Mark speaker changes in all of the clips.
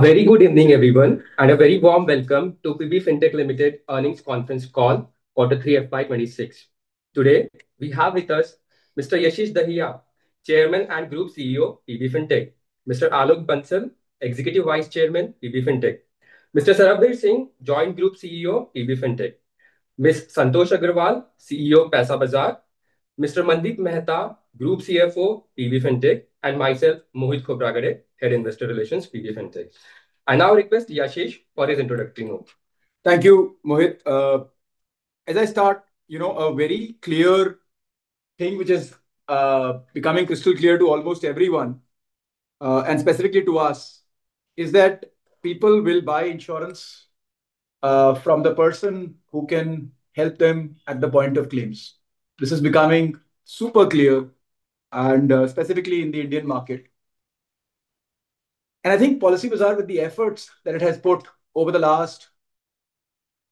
Speaker 1: Very good evening, everyone, and a very warm welcome to PB Fintech Limited Earnings Conference Call, Quarter 3, FY 2026. Today we have with us Mr. Yashish Dahiya, Chairman and Group CEO, PB Fintech; Mr. Alok Bansal, Executive Vice Chairman, PB Fintech; Mr. Sarbvir Singh, Joint Group CEO, PB Fintech; Ms. Santosh Agarwal, CEO, Paisabazaar; Mr. Mandeep Mehta, Group CFO, PB Fintech; and myself, Mohit Khobragade, Head Investor Relations, PB Fintech. I now request Yashish for his introductory note.
Speaker 2: Thank you, Mohit. As I start, you know, a very clear thing which is becoming crystal clear to almost everyone, and specifically to us, is that people will buy insurance from the person who can help them at the point of claims. This is becoming super clear, and specifically in the Indian market. And I think Policybazaar, with the efforts that it has put over the last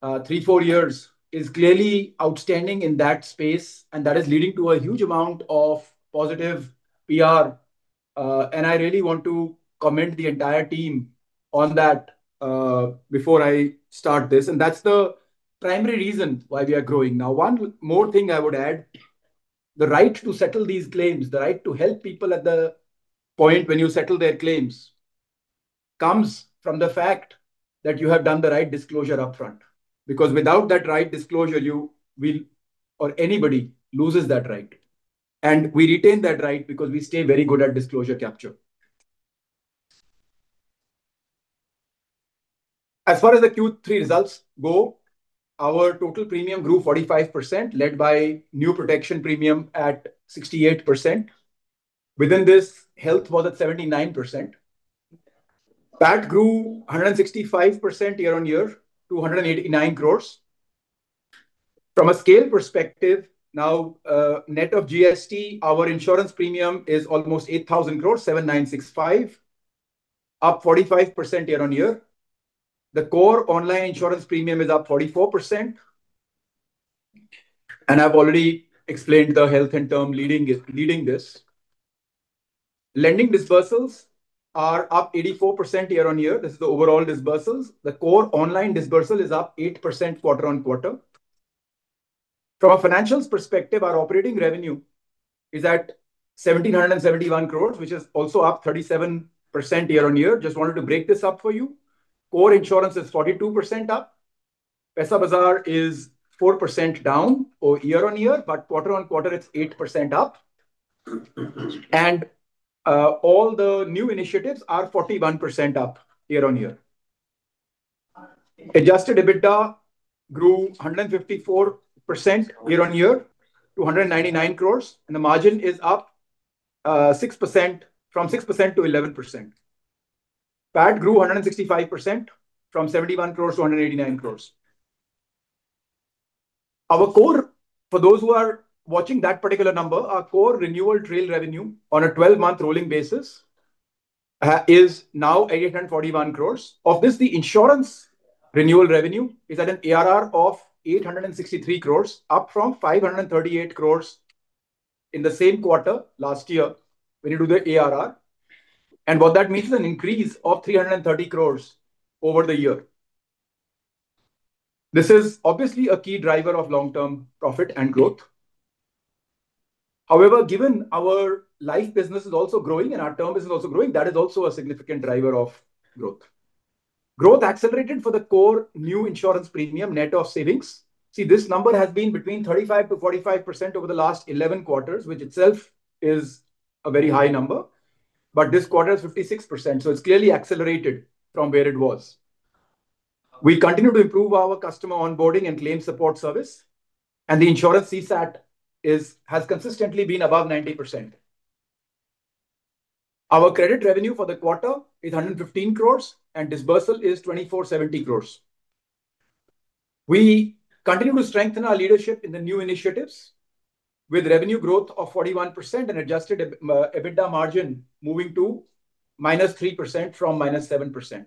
Speaker 2: 3-4 years, is clearly outstanding in that space, and that is leading to a huge amount of positive PR, and I really want to compliment the entire team on that, before I start this, and that's the primary reason why we are growing. Now, one more thing I would add: the right to settle these claims, the right to help people at the point when you settle their claims, comes from the fact that you have done the right disclosure upfront. Because without that right disclosure, you will, or anybody, lose that right. And we retain that right because we stay very good at disclosure capture. As far as the Q3 results go, our total premium grew 45%, led by new protection premium at 68%. Within this, health was at 79%. PAT grew 165% year-on-year, to 189 crores. From a scale perspective, now, net of GST, our insurance premium is almost 8,000 crores, 7,965 crores, up 45% year-on-year. The core online insurance premium is up 44%. And I've already explained the health and term leading this. Lending disbursals are up 84% year-on-year. This is the overall disbursals. The core online disbursal is up 8% quarter-on-quarter. From a financials perspective, our operating revenue is at 1,771 crores, which is also up 37% year-on-year. Just wanted to break this up for you. Core insurance is 42% up. Paisabazaar is 4% down, oh, year-on-year, but quarter-on-quarter it's 8% up. All the new initiatives are 41% up year-on-year. Adjusted EBITDA grew 154% year-on-year, to 199 crores, and the margin is up 6% from 6%-11%. PAT grew 165% from 71 crores-189 crores. Our core, for those who are watching that particular number, our core renewal trail revenue on a 12-month rolling basis is now 841 crores. Of this, the insurance renewal revenue is at an ARR of 863 crores, up from 538 crores in the same quarter last year when you do the ARR. What that means is an increase of 330 crores over the year. This is obviously a key driver of long-term profit and growth. However, given our life business is also growing, and our term business is also growing, that is also a significant driver of growth. Growth accelerated for the core new insurance premium net of savings. See, this number has been between 35%-45% over the last 11 quarters, which itself is a very high number. But this quarter is 56%, so it's clearly accelerated from where it was. We continue to improve our customer onboarding and claim support service. The insurance CSAT has consistently been above 90%. Our credit revenue for the quarter is 115 crores, and disbursal is 2,470 crores. We continue to strengthen our leadership in the new initiatives, with revenue growth of 41% and adjusted EBITDA margin moving to -3% from -7%,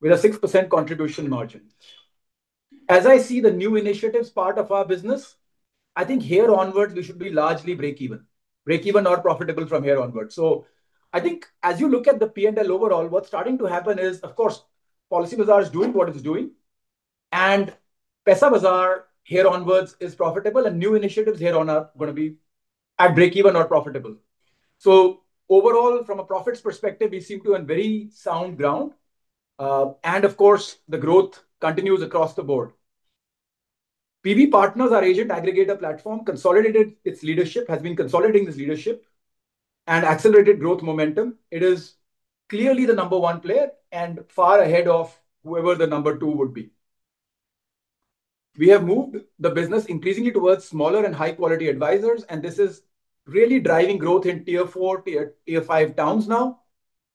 Speaker 2: with a 6% contribution margin. As I see the new initiatives part of our business, I think here onwards we should be largely break-even, break-even or profitable from here onwards. So, I think as you look at the P&L overall, what's starting to happen is, of course, Policybazaar is doing what it's doing. And Paisabazaar, here onwards, is profitable, and new initiatives here on are going to be at break-even or profitable. So, overall, from a profits perspective, we seem to be on very sound ground. Of course, the growth continues across the board. PBPartners are an agent-aggregator platform, consolidated its leadership, has been consolidating this leadership, and accelerated growth momentum. It is clearly the number one player and far ahead of whoever the number two would be. We have moved the business increasingly towards smaller and high-quality advisors, and this is really driving growth in Tier 4, Tier 5 towns now.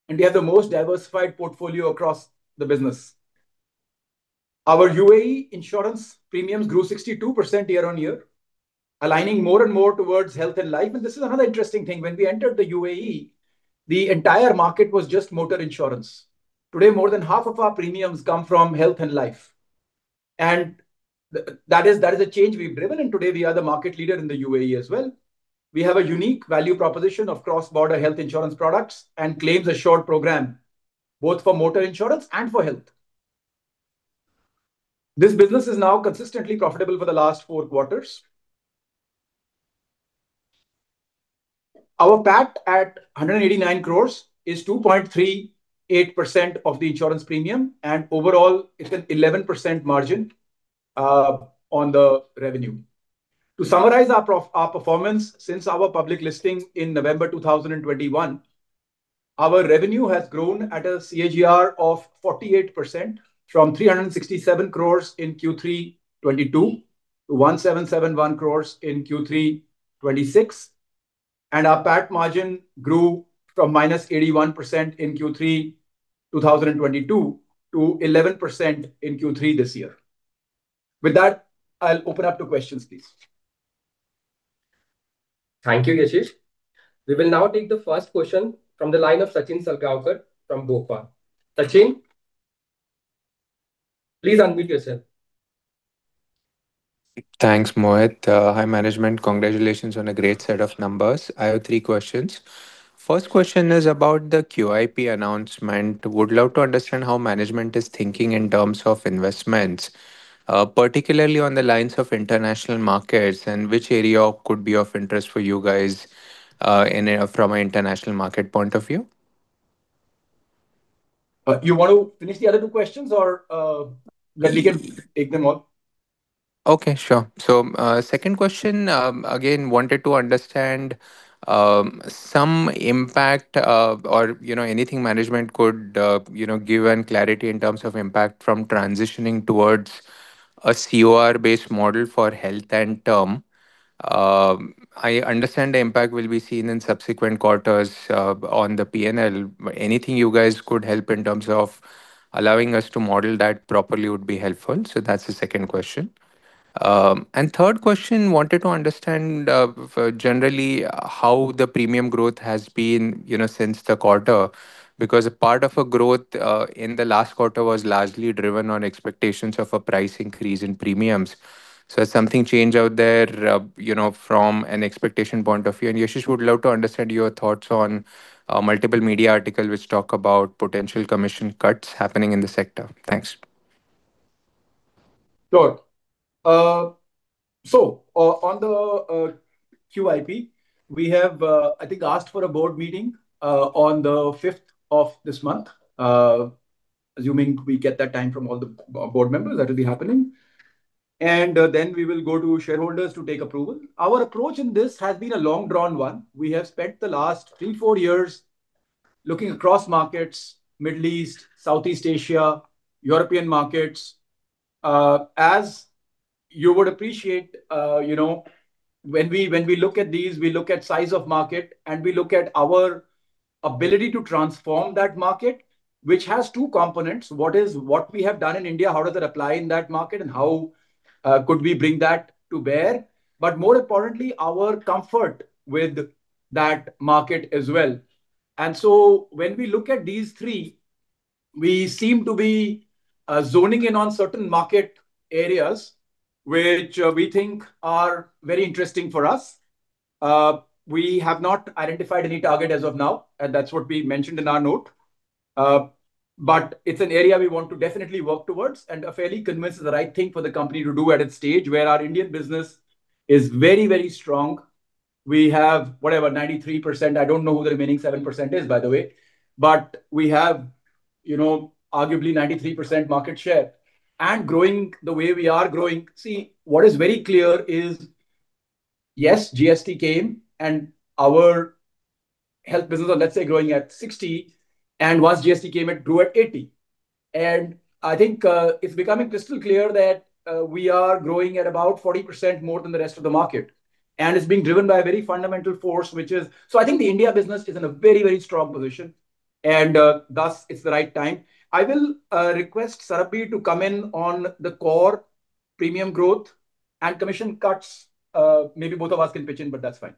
Speaker 2: We have the most diversified portfolio across the business. Our UAE insurance premiums grew 62% year-on-year, aligning more and more towards health and life. This is another interesting thing. When we entered the UAE, the entire market was just motor insurance. Today, more than half of our premiums come from health and life. That is, that is a change we've driven. Today, we are the market leader in the UAE as well. We have a unique value proposition of cross-border health insurance products and Claims Assurance program, both for motor insurance and for health. This business is now consistently profitable for the last four quarters. Our PAT at 189 crore is 2.38% of the insurance premium, and overall, it's an 11% margin on the revenue. To summarize our our performance since our public listing in November 2021, our revenue has grown at a CAGR of 48% from 367 crore in Q3 2022 to 1,771 crore in Q3 2026. Our PAT margin grew from -81% in Q3 2022 to 11% in Q3 this year. With that, I'll open up to questions, please.
Speaker 1: Thank you, Yashish. We will now take the first question from the line of Sachin Salgaonkar from Bank of America. Sachin, please unmute yourself.
Speaker 3: Thanks, Mohit. Hi, management. Congratulations on a great set of numbers. I have three questions. First question is about the QIP announcement. Would love to understand how management is thinking in terms of investments, particularly on the lines of international markets, and which area could be of interest for you guys from an international market point of view.
Speaker 2: You want to finish the other two questions, or, that we can take them all?
Speaker 3: Okay, sure. So, second question, again, wanted to understand, some impact, or, you know, anything management could, you know, give on clarity in terms of impact from transitioning towards a COR-based model for health and term. I understand the impact will be seen in subsequent quarters, on the P&L. Anything you guys could help in terms of allowing us to model that properly would be helpful. So, that's the second question. And third question, wanted to understand, generally, how the premium growth has been, you know, since the quarter. Because a part of a growth, in the last quarter was largely driven on expectations of a price increase in premiums. So, has something changed out there, you know, from an expectation point of view? And Yashish, would love to understand your thoughts on a multiple media articles which talk about potential commission cuts happening in the sector. Thanks.
Speaker 2: Sure. So, on the QIP, we have, I think, asked for a board meeting on the 5th of this month, assuming we get that time from all the board members that will be happening. And then we will go to shareholders to take approval. Our approach in this has been a long-drawn one. We have spent the last 3-4 years looking across markets: Middle East, Southeast Asia, European markets. As you would appreciate, you know, when we, when we look at these, we look at size of market, and we look at our ability to transform that market, which has two components: what is what we have done in India, how does it apply in that market, and how could we bring that to bear. But more importantly, our comfort with that market as well. When we look at these three, we seem to be zoning in on certain market areas which we think are very interesting for us. We have not identified any target as of now, and that's what we mentioned in our note. But it's an area we want to definitely work towards, and a fairly convincing the right thing for the company to do at its stage, where our Indian business is very, very strong. We have, whatever, 93%. I don't know who the remaining 7% is, by the way. But we have, you know, arguably 93% market share. Growing the way we are growing, see, what is very clear is, yes, GST came, and our health business was, let's say, growing at 60%. Once GST came, it grew at 80%. I think it's becoming crystal clear that we are growing at about 40% more than the rest of the market. And it's being driven by a very fundamental force, which is so, I think the India business is in a very, very strong position. And thus it's the right time. I will request Sarbvir to come in on the core premium growth and commission cuts. Maybe both of us can pitch in, but that's fine.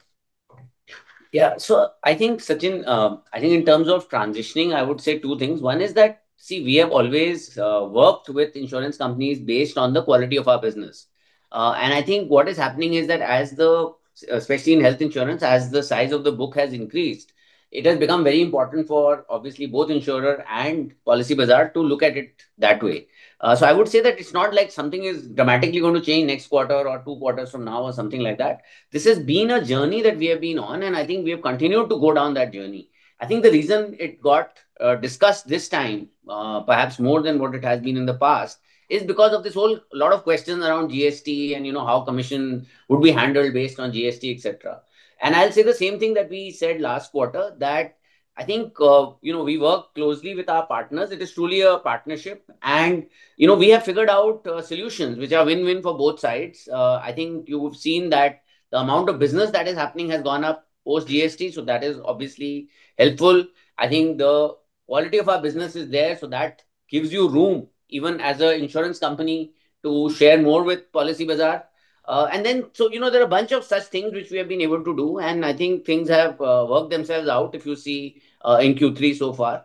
Speaker 4: Okay. Yeah, so, I think, Sachin, I think in terms of transitioning, I would say two things. One is that, see, we have always worked with insurance companies based on the quality of our business. And I think what is happening is that as the especially in health insurance, as the size of the book has increased, it has become very important for, obviously, both insurer and Policybazaar to look at it that way. So, I would say that it's not like something is dramatically going to change next quarter or two quarters from now or something like that. This has been a journey that we have been on, and I think we have continued to go down that journey. I think the reason it got discussed this time, perhaps more than what it has been in the past, is because of this whole lot of questions around GST and, you know, how commission would be handled based on GST, etc. And I'll say the same thing that we said last quarter, that I think, you know, we work closely with our partners. It is truly a partnership. And, you know, we have figured out solutions which are win-win for both sides. I think you've seen that the amount of business that is happening has gone up post-GST, so that is obviously helpful. I think the quality of our business is there, so that gives you room, even as an insurance company, to share more with Policybazaar. You know, there are a bunch of such things which we have been able to do, and I think things have worked themselves out, if you see, in Q3 so far.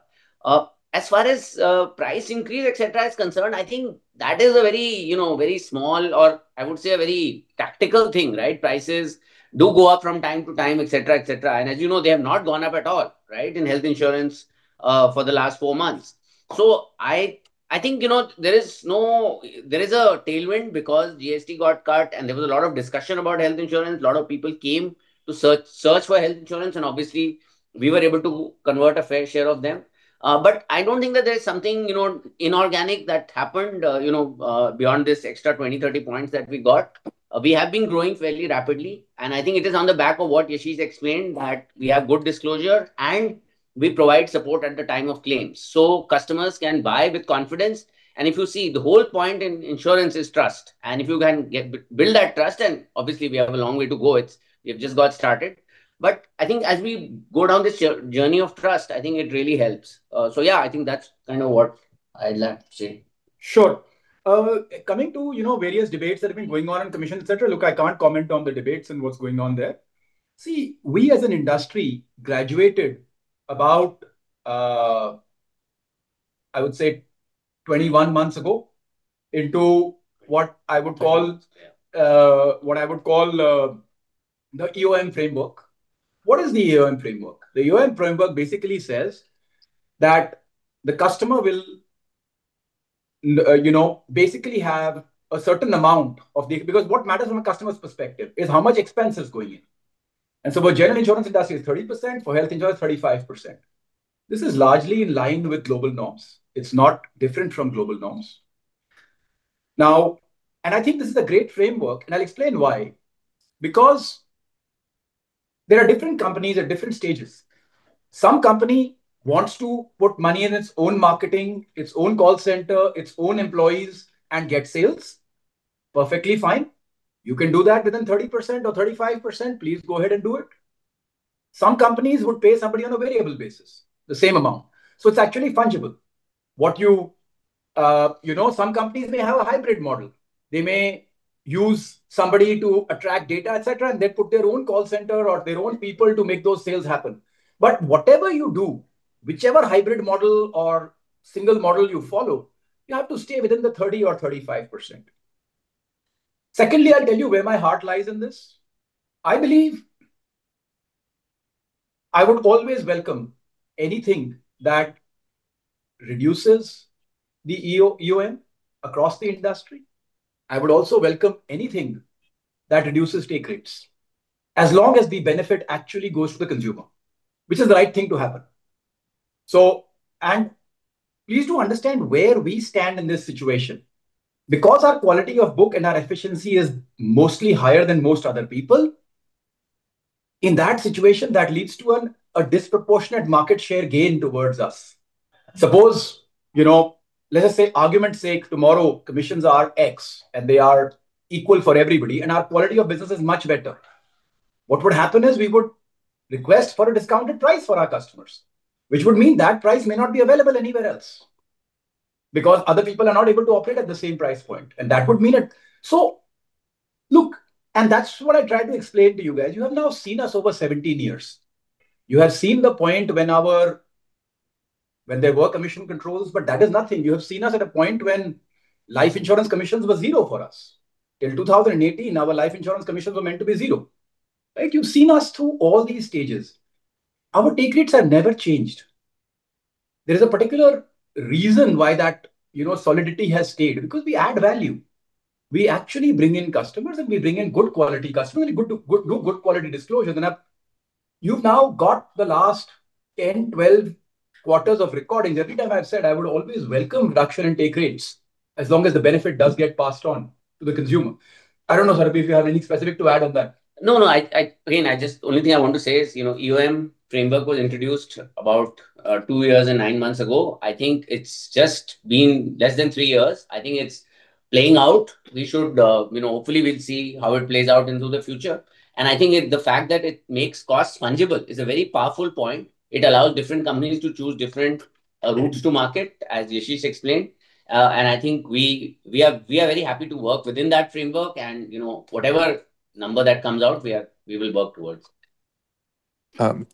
Speaker 4: As far as price increase, etc., is concerned, I think that is a very, you know, very small or, I would say, a very tactical thing, right? Prices do go up from time to time, etc., etc. And as you know, they have not gone up at all, right, in health insurance, for the last four months. So, I think, you know, there is a tailwind because GST got cut, and there was a lot of discussion about health insurance. A lot of people came to search for health insurance, and obviously, we were able to convert a fair share of them. But I don't think that there is something, you know, inorganic that happened, you know, beyond this extra 20-30 points that we got. We have been growing fairly rapidly, and I think it is on the back of what Yashish explained that we have good disclosure, and we provide support at the time of claims. So, customers can buy with confidence. And if you see, the whole point in insurance is trust. And if you can get build that trust, and obviously, we have a long way to go. It's we have just got started. But I think as we go down this journey of trust, I think it really helps. So, yeah, I think that's kind of what I'd like to say.
Speaker 2: Sure. Coming to, you know, various debates that have been going on on commission, etc., look, I can't comment on the debates and what's going on there. See, we, as an industry, graduated about, I would say, 21 months ago into what I would call, what I would call, the EOM framework. What is the EOM framework? The EOM framework basically says that the customer will, you know, basically have a certain amount of the because what matters from a customer's perspective is how much expense is going in. And so, for general insurance industry, it's 30%. For health insurance, 35%. This is largely in line with global norms. It's not different from global norms. Now, and I think this is a great framework, and I'll explain why. Because there are different companies at different stages. Some company wants to put money in its own marketing, its own call center, its own employees, and get sales. Perfectly fine. You can do that within 30% or 35%. Please go ahead and do it. Some companies would pay somebody on a variable basis, the same amount. So, it's actually fungible. What you know, some companies may have a hybrid model. They may use somebody to attract data, etc., and they put their own call center or their own people to make those sales happen. But whatever you do, whichever hybrid model or single model you follow, you have to stay within the 30% or 35%. Secondly, I'll tell you where my heart lies in this. I believe I would always welcome anything that reduces the EOM across the industry. I would also welcome anything that reduces take rates, as long as the benefit actually goes to the consumer, which is the right thing to happen. So, and please do understand where we stand in this situation. Because our quality of book and our efficiency is mostly higher than most other people, in that situation, that leads to a disproportionate market share gain towards us. Suppose, you know, let us say, argument's sake, tomorrow commissions are X, and they are equal for everybody, and our quality of business is much better. What would happen is we would request for a discounted price for our customers, which would mean that price may not be available anywhere else because other people are not able to operate at the same price point. And that would mean it. So, look, and that's what I tried to explain to you guys. You have now seen us over 17 years. You have seen the point when there were commission controls, but that is nothing. You have seen us at a point when life insurance commissions were zero for us. Till 2018, our life insurance commissions were meant to be zero, right? You've seen us through all these stages. Our take rates have never changed. There is a particular reason why that, you know, solidity has stayed, because we add value. We actually bring in customers, and we bring in good quality customers, and we do good quality disclosure. Then, you've now got the last 10, 12 quarters of recordings. Every time I've said, I would always welcome reduction in take rates as long as the benefit does get passed on to the consumer. I don't know, Sarbvir, if you have anything specific to add on that.
Speaker 4: No, no. I, I again, I just only thing I want to say is, you know, EOM framework was introduced about 2 years and 9 months ago. I think it's just been less than 3 years. I think it's playing out. We should, you know, hopefully, we'll see how it plays out into the future. And I think it the fact that it makes costs fungible is a very powerful point. It allows different companies to choose different routes to market, as Yashish explained. And I think we, we are we are very happy to work within that framework. And, you know, whatever number that comes out, we are we will work towards.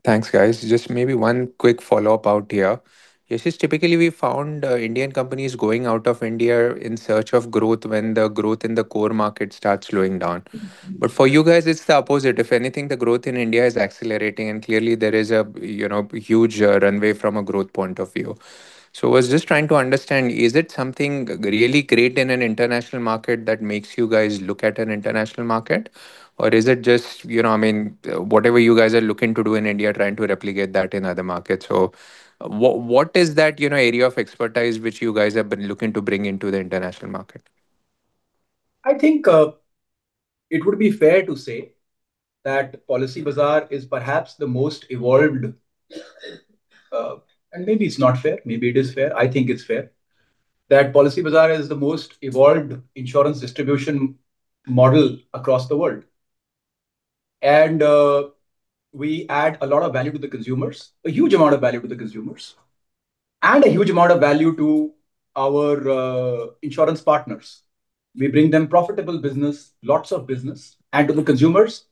Speaker 3: Thanks, guys. Just maybe one quick follow-up out here. Yashish, typically, we found Indian companies going out of India in search of growth when the growth in the core market starts slowing down. But for you guys, it's the opposite. If anything, the growth in India is accelerating, and clearly, there is a, you know, huge runway from a growth point of view. So, I was just trying to understand, is it something really great in an international market that makes you guys look at an international market? Or is it just, you know, I mean, whatever you guys are looking to do in India, trying to replicate that in other markets? So, what is that, you know, area of expertise which you guys have been looking to bring into the international market?
Speaker 2: I think it would be fair to say that Policybazaar is perhaps the most evolved, and maybe it's not fair. Maybe it is fair. I think it's fair that Policybazaar is the most evolved insurance distribution model across the world. We add a lot of value to the consumers, a huge amount of value to the consumers, and a huge amount of value to our insurance partners. We bring them profitable business, lots of business. To the consumers,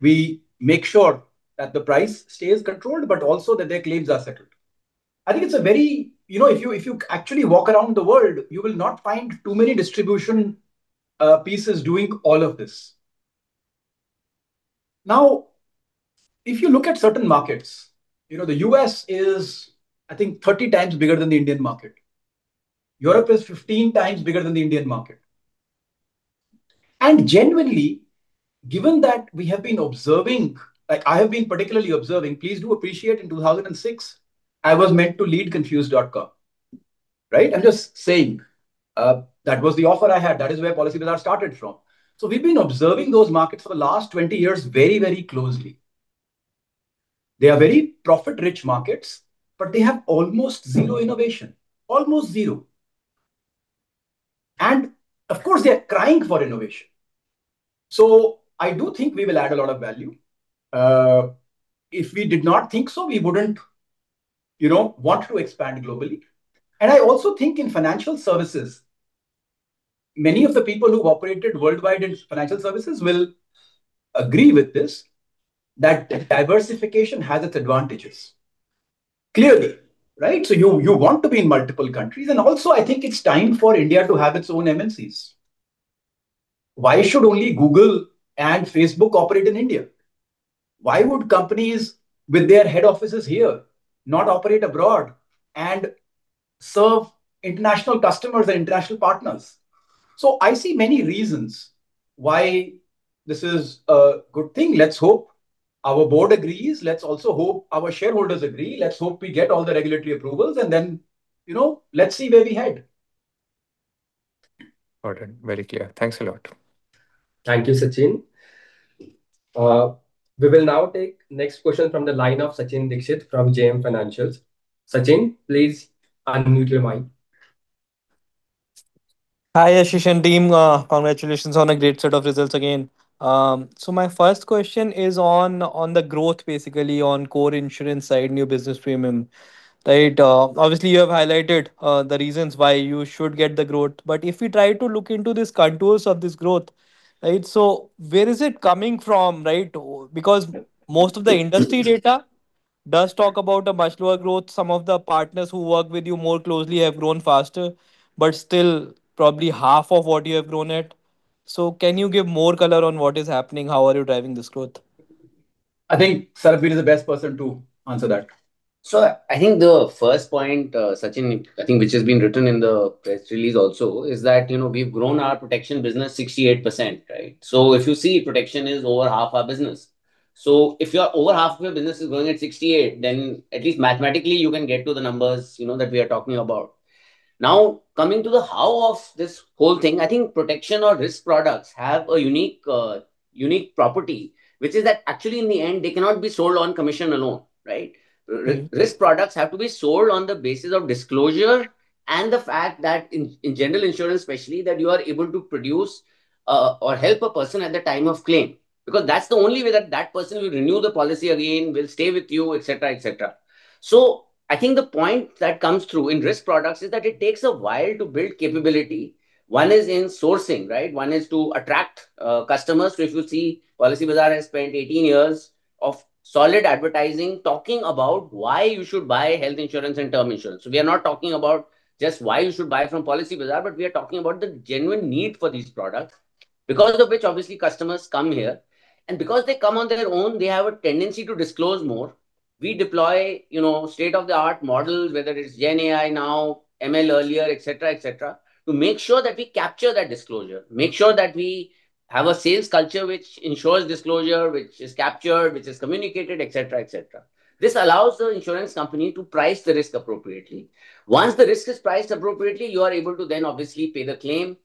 Speaker 2: we make sure that the price stays controlled, but also that their claims are settled. I think it's a very, you know, if you actually walk around the world, you will not find too many distribution pieces doing all of this. Now, if you look at certain markets, you know, the U.S. is, I think, 30 times bigger than the Indian market. Europe is 15 times bigger than the Indian market. And genuinely, given that we have been observing, like, I have been particularly observing, please do appreciate, in 2006, I was meant to lead Confused.com, right? I'm just saying, that was the offer I had. That is where Policybazaar started from. So, we've been observing those markets for the last 20 years very, very closely. They are very profit-rich markets, but they have almost zero innovation, almost zero. And, of course, they are crying for innovation. So, I do think we will add a lot of value. If we did not think so, we wouldn't, you know, want to expand globally. And I also think in financial services, many of the people who've operated worldwide in financial services will agree with this, that diversification has its advantages, clearly, right? So, you want to be in multiple countries. Also, I think it's time for India to have its own MNCs. Why should only Google and Facebook operate in India? Why would companies with their head offices here not operate abroad and serve international customers and international partners? So, I see many reasons why this is a good thing. Let's hope our board agrees. Let's also hope our shareholders agree. Let's hope we get all the regulatory approvals. And then, you know, let's see where we head.
Speaker 3: Important. Very clear. Thanks a lot.
Speaker 1: Thank you, Sachin. We will now take the next question from the line of Sachin Dixit from JM Financial. Sachin, please unmute your mic.
Speaker 5: Hi, Yashish and team. Congratulations on a great set of results again. So my first question is on the growth, basically, on core insurance side, new business premium, right? Obviously, you have highlighted the reasons why you should get the growth. But if we try to look into these contours of this growth, right, so where is it coming from, right? Because most of the industry data does talk about a much lower growth. Some of the partners who work with you more closely have grown faster, but still, probably half of what you have grown at. So, can you give more color on what is happening? How are you driving this growth?
Speaker 2: I think Sarbvir is the best person to answer that.
Speaker 4: So, I think the first point, Sachin, I think, which has been written in the press release also, is that, you know, we've grown our protection business 68%, right? So, if you see, protection is over half our business. So, if you're over half of your business is going at 68%, then at least mathematically, you can get to the numbers, you know, that we are talking about. Now, coming to the how of this whole thing, I think protection or risk products have a unique, unique property, which is that actually, in the end, they cannot be sold on commission alone, right? Risk products have to be sold on the basis of disclosure and the fact that, in general insurance, especially, that you are able to produce, or help a person at the time of claim, because that's the only way that that person will renew the policy again, will stay with you, etc., etc. So, I think the point that comes through in risk products is that it takes a while to build capability. One is in sourcing, right? One is to attract, customers. So, if you see, Policybazaar has spent 18 years of solid advertising talking about why you should buy health insurance and term insurance. So, we are not talking about just why you should buy from Policybazaar, but we are talking about the genuine need for these products, because of which, obviously, customers come here. And because they come on their own, they have a tendency to disclose more. We deploy, you know, state-of-the-art models, whether it's GenAI now, ML earlier, etc., etc., to make sure that we capture that disclosure, make sure that we have a sales culture which ensures disclosure, which is captured, which is communicated, etc., etc. This allows the insurance company to price the risk appropriately. Once the risk is priced appropriately, you are able to then, obviously, pay the claim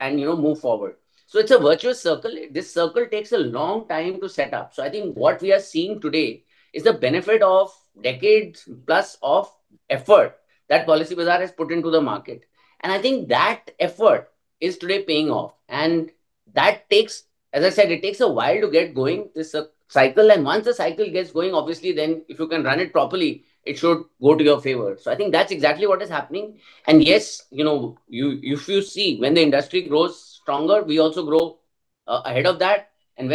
Speaker 4: and, you know, move forward. So, it's a virtuous circle. This circle takes a long time to set up. So, I think what we are seeing today is the benefit of decades-plus of effort that Policybazaar has put into the market. And I think that effort is today paying off. And that takes, as I said, it takes a while to get going, this cycle. Once the cycle gets going, obviously, then if you can run it properly, it should go to your favor. So, I think that's exactly what is happening. And yes, you know, if you see, when the industry grows stronger, we also grow ahead of that. And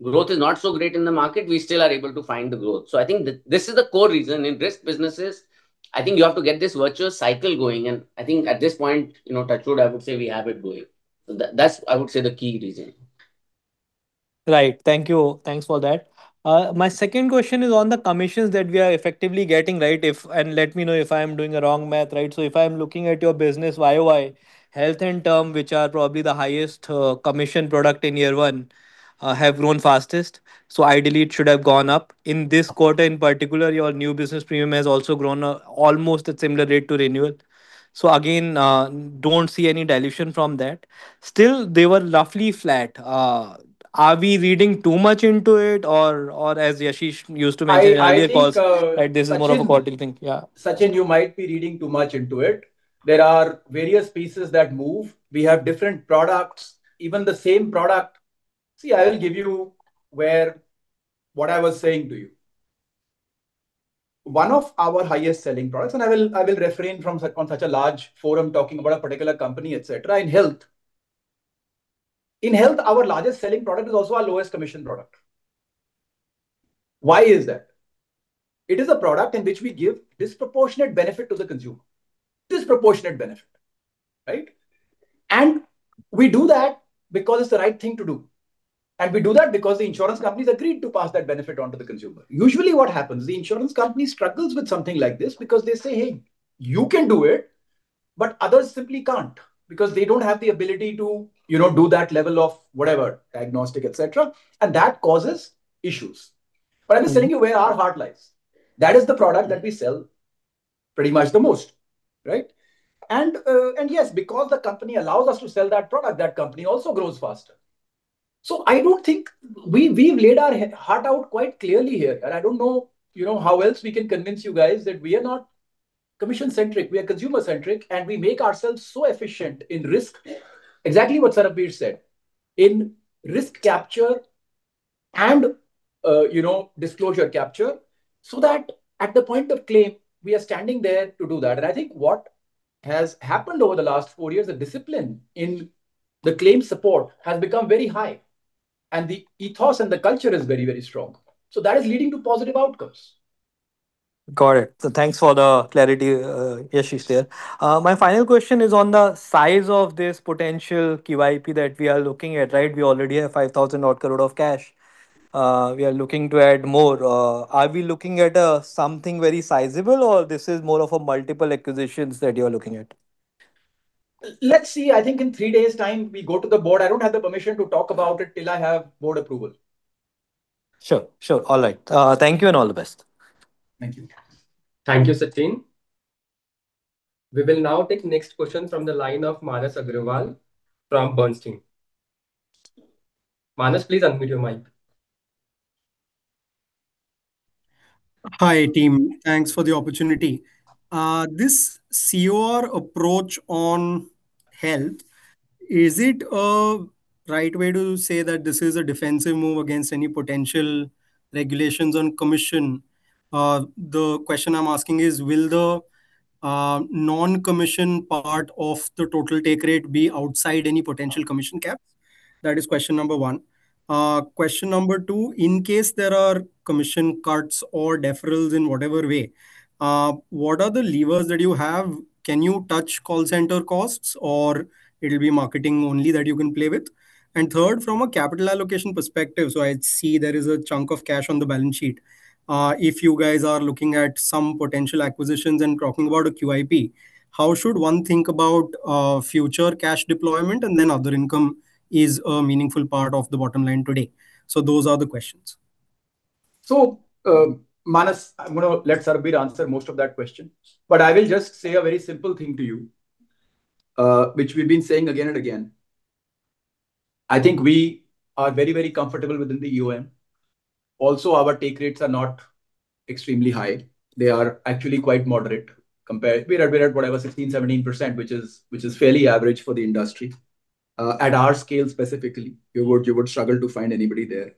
Speaker 4: when growth is not so great in the market, we still are able to find the growth. So, I think this is the core reason. In risk businesses, I think you have to get this virtuous cycle going. And I think at this point, you know, touch wood, I would say we have it going. So, that's, I would say, the key reason.
Speaker 5: Right. Thank you. Thanks for that. My second question is on the commissions that we are effectively getting, right? If and let me know if I am doing a wrong math, right? So, if I am looking at your business, year-over-year, health and term, which are probably the highest, commission product in year one, have grown fastest. So, ideally, it should have gone up. In this quarter, in particular, your new business premium has also grown almost at a similar rate to renewal. So, again, don't see any dilution from that. Still, they were roughly flat. Are we reading too much into it, or, or as Yashish used to mention earlier, calls, right, this is more of a quarterly thing? Yeah.
Speaker 2: Sachin, you might be reading too much into it. There are various pieces that move. We have different products. Even the same product. See, I will give you where what I was saying to you. One of our highest selling products, and I will I will refrain from on such a large forum talking about a particular company, etc., in health. In health, our largest selling product is also our lowest commission product. Why is that? It is a product in which we give disproportionate benefit to the consumer, disproportionate benefit, right? And we do that because it's the right thing to do. And we do that because the insurance companies agreed to pass that benefit on to the consumer. Usually, what happens, the insurance company struggles with something like this because they say, hey, you can do it, but others simply can't because they don't have the ability to, you know, do that level of whatever, diagnostic, etc. And that causes issues. But I'm just telling you where our heart lies. That is the product that we sell pretty much the most, right? And, and yes, because the company allows us to sell that product, that company also grows faster. So, I don't think we've laid our heart out quite clearly here. And I don't know, you know, how else we can convince you guys that we are not commission-centric. We are consumer-centric, and we make ourselves so efficient in risk, exactly what Sarbvir said, in risk capture and, you know, disclosure capture, so that at the point of claim, we are standing there to do that. I think what has happened over the last four years, the discipline in the claim support has become very high. The ethos and the culture is very, very strong. That is leading to positive outcomes.
Speaker 5: Got it. So, thanks for the clarity, Yashish there. My final question is on the size of this potential QIP that we are looking at, right? We already have 5,000-odd crore of cash. We are looking to add more. Are we looking at something very sizable, or is this more of multiple acquisitions that you are looking at?
Speaker 2: Let's see. I think in three days' time, we go to the board. I don't have the permission to talk about it till I have board approval.
Speaker 5: Sure. Sure. All right. Thank you and all the best.
Speaker 2: Thank you.
Speaker 1: Thank you, Sachin. We will now take the next question from the line of Manas Agrawal from Bernstein. Manas, please unmute your mic.
Speaker 6: Hi, team. Thanks for the opportunity. This COR approach on health, is it a right way to say that this is a defensive move against any potential regulations on commission? The question I'm asking is, will the, non-commission part of the total take rate be outside any potential commission caps? That is question number one. Question number two, in case there are commission cuts or deferrals in whatever way, what are the levers that you have? Can you touch call center costs, or it'll be marketing only that you can play with? Third, from a capital allocation perspective, so I see there is a chunk of cash on the balance sheet. If you guys are looking at some potential acquisitions and talking about a QIP, how should one think about, future cash deployment? And then, other income is a meaningful part of the bottom line today. Those are the questions.
Speaker 2: So, Manas, I'm going to let Sarbvir answer most of that question. But I will just say a very simple thing to you, which we've been saying again and again. I think we are very, very comfortable within the EOM. Also, our take rates are not extremely high. They are actually quite moderate compared we're at, we're at whatever, 16%, 17%, which is fairly average for the industry. At our scale, specifically, you would struggle to find anybody there.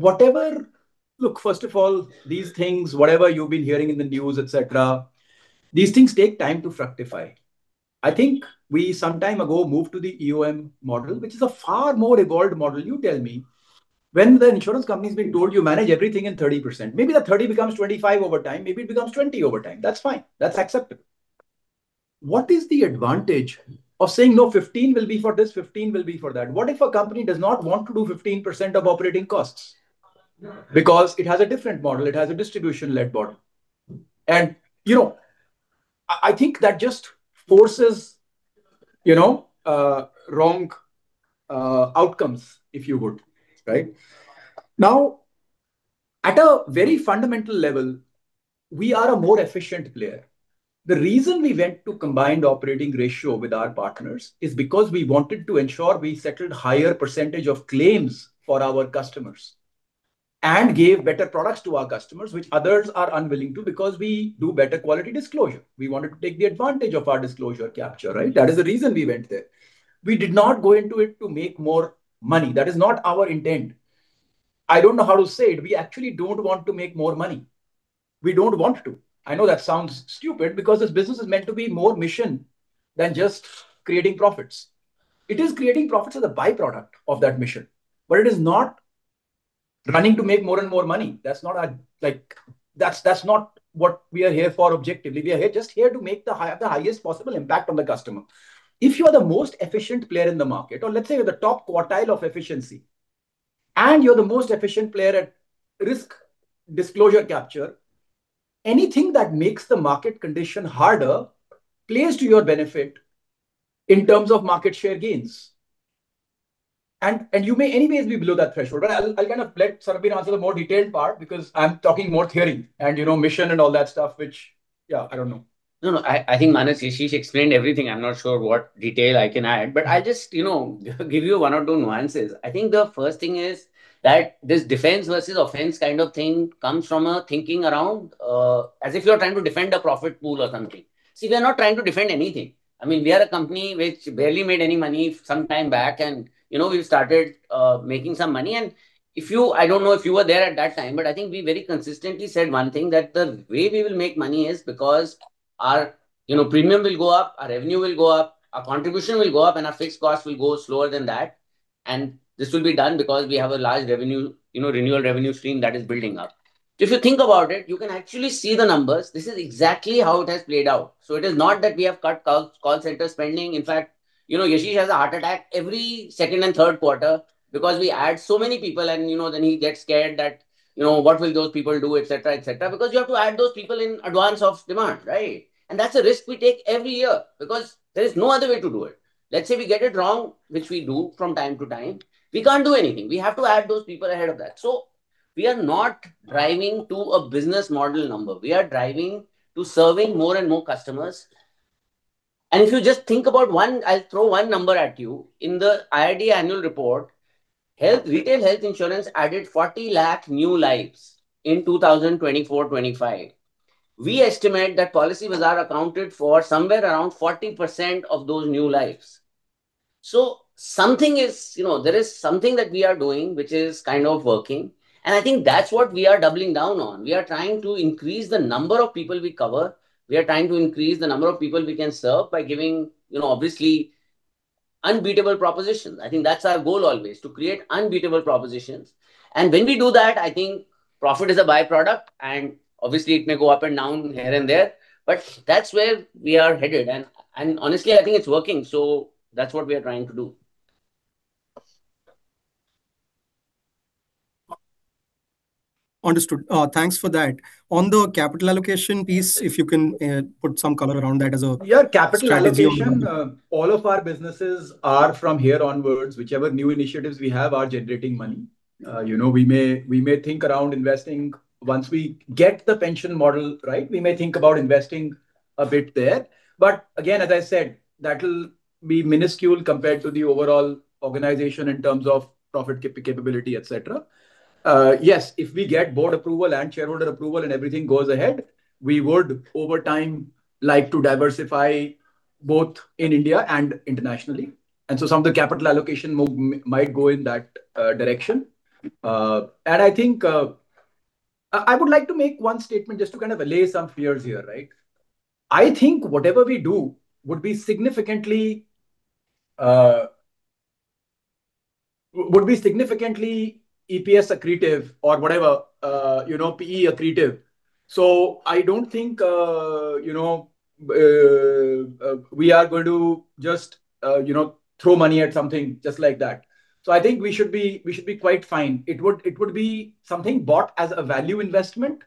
Speaker 2: However, whatever look, first of all, these things, whatever you've been hearing in the news, etc., these things take time to fructify. I think we, some time ago, moved to the EOM model, which is a far more evolved model. You tell me, when the insurance company has been told, "You manage everything in 30%," maybe that 30% becomes 25% over time. Maybe it becomes 20% over time. That's fine. That's acceptable. What is the advantage of saying, "No, 15% will be for this, 15% will be for that"? What if a company does not want to do 15% of operating costs? Because it has a different model. It has a distribution-led model. And, you know, I think that just forces, you know, wrong, outcomes, if you would, right? Now, at a very fundamental level, we are a more efficient player. The reason we went to a combined operating ratio with our partners is because we wanted to ensure we settled a higher percentage of claims for our customers and gave better products to our customers, which others are unwilling to, because we do better quality disclosure. We wanted to take the advantage of our disclosure capture, right? That is the reason we went there. We did not go into it to make more money. That is not our intent. I don't know how to say it. We actually don't want to make more money. We don't want to. I know that sounds stupid because this business is meant to be more mission than just creating profits. It is creating profits as a byproduct of that mission. But it is not running to make more and more money. That's not our like, that's not what we are here for objectively. We are here just here to make the highest possible impact on the customer. If you are the most efficient player in the market, or let's say you're the top quartile of efficiency, and you're the most efficient player at risk disclosure capture, anything that makes the market condition harder plays to your benefit in terms of market share gains. You may anyway be below that threshold. But I'll kind of let Sarbvir answer the more detailed part because I'm talking more theory and, you know, mission and all that stuff, which, yeah, I don't know.
Speaker 4: No, no. I think Manas, Yashish explained everything. I'm not sure what detail I can add. But I'll just, you know, give you one or two nuances. I think the first thing is that this defense versus offense kind of thing comes from a thinking around, as if you're trying to defend a profit pool or something. See, we are not trying to defend anything. I mean, we are a company which barely made any money some time back. And, you know, we've started making some money. And if you, I don't know, if you were there at that time, but I think we very consistently said one thing, that the way we will make money is because our, you know, premium will go up, our revenue will go up, our contribution will go up, and our fixed costs will go slower than that. And this will be done because we have a large revenue, you know, renewal revenue stream that is building up. If you think about it, you can actually see the numbers. This is exactly how it has played out. So, it is not that we have cut call center spending. In fact, you know, Yashish has a heart attack every second and third quarter because we add so many people. You know, then he gets scared that, you know, what will those people do, etc., etc., because you have to add those people in advance of demand, right? And that's a risk we take every year because there is no other way to do it. Let's say we get it wrong, which we do from time to time. We can't do anything. We have to add those people ahead of that. So, we are not driving to a business model number. We are driving to serving more and more customers. And if you just think about one, I'll throw one number at you. In the IRDAI annual report, retail health insurance added 40 lakh new lives in 2024-25. We estimate that Policybazaar accounted for somewhere around 40% of those new lives. So, something is, you know, there is something that we are doing, which is kind of working. And I think that's what we are doubling down on. We are trying to increase the number of people we cover. We are trying to increase the number of people we can serve by giving, you know, obviously, unbeatable propositions. I think that's our goal always, to create unbeatable propositions. And when we do that, I think profit is a byproduct. And obviously, it may go up and down here and there. But that's where we are headed. And, and honestly, I think it's working. So, that's what we are trying to do.
Speaker 6: Understood. Thanks for that. On the capital allocation piece, if you can, put some color around that as a strategy.
Speaker 2: We are capital allocation. All of our businesses are from here onwards, whichever new initiatives we have are generating money. You know, we may think around investing. Once we get the pension model right, we may think about investing a bit there. But again, as I said, that'll be minuscule compared to the overall organization in terms of profit capability, etc. Yes, if we get board approval and shareholder approval and everything goes ahead, we would, over time, like to diversify both in India and internationally. So, some of the capital allocation move might go in that direction. I think I would like to make one statement just to kind of allay some fears here, right? I think whatever we do would be significantly EPS accretive or whatever, you know, PE accretive. So, I don't think, you know, we are going to just, you know, throw money at something just like that. So, I think we should be quite fine. It would be something bought as a value investment,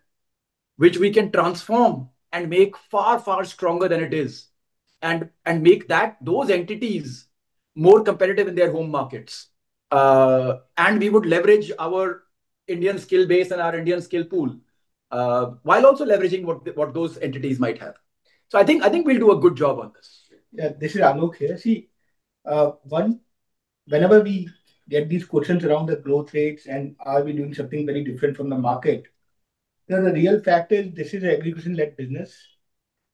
Speaker 2: which we can transform and make far, far stronger than it is, and make those entities more competitive in their home markets. And we would leverage our Indian skill base and our Indian skill pool, while also leveraging what those entities might have. So, I think we'll do a good job on this.
Speaker 7: Yeah, this is Alok here. See, one, whenever we get these questions around the growth rates and are we doing something very different from the market, the real fact is this is an execution-led business.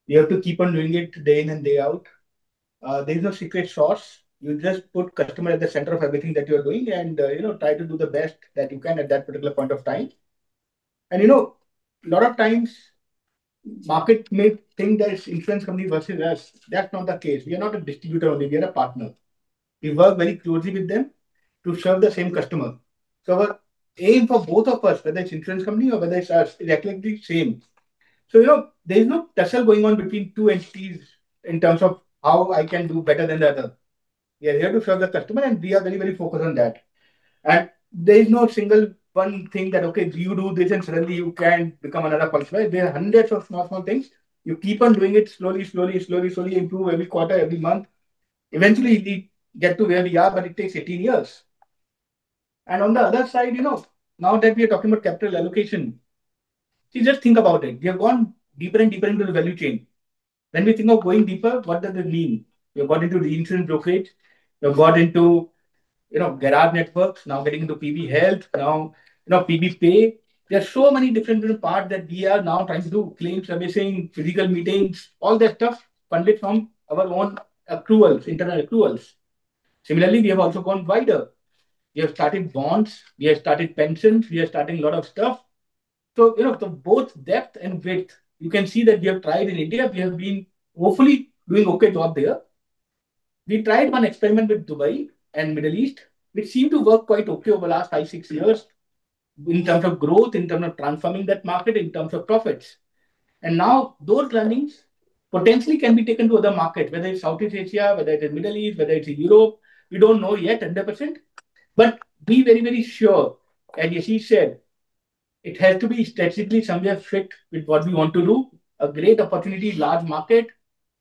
Speaker 7: We have to keep on doing it day in and day out. There's no secret sauce. You just put customer at the center of everything that you are doing and, you know, try to do the best that you can at that particular point of time. And, you know, a lot of times, market may think that it's insurance company versus us. That's not the case. We are not a distributor only. We are a partner. We work very closely with them to serve the same customer. So, our aim for both of us, whether it's insurance company or whether it's us, is exactly the same. So, you know, there's no tussle going on between two entities in terms of how I can do better than the other. We are here to serve the customer, and we are very, very focused on that. And there's no single one thing that, okay, you do this and suddenly you can become another Policybazaar. There are hundreds of small, small things. You keep on doing it slowly, slowly, slowly, slowly, improve every quarter, every month. Eventually, we get to where we are, but it takes 18 years. And on the other side, you know, now that we are talking about capital allocation, see, just think about it. We have gone deeper and deeper into the value chain. When we think of going deeper, what does it mean? We have got into the insurance brokerage. We have got into, you know, garage networks, now getting into PB Health, now, you know, PB Pay. There are so many different, different parts that we are now trying to do: claims, servicing, physical meetings, all that stuff funded from our own accruals, internal accruals. Similarly, we have also gone wider. We have started bonds. We have started pensions. We are starting a lot of stuff. So, you know, both depth and width, you can see that we have tried in India. We have been, hopefully, doing an okay job there. We tried one experiment with Dubai and the Middle East, which seemed to work quite okay over the last five, six years in terms of growth, in terms of transforming that market, in terms of profits. And now, those learnings potentially can be taken to other markets, whether it's Southeast Asia, whether it's the Middle East, whether it's Europe. We don't know yet 100%. But be very, very sure, as Yashish said, it has to be strategically somewhere fit with what we want to do: a great opportunity, large market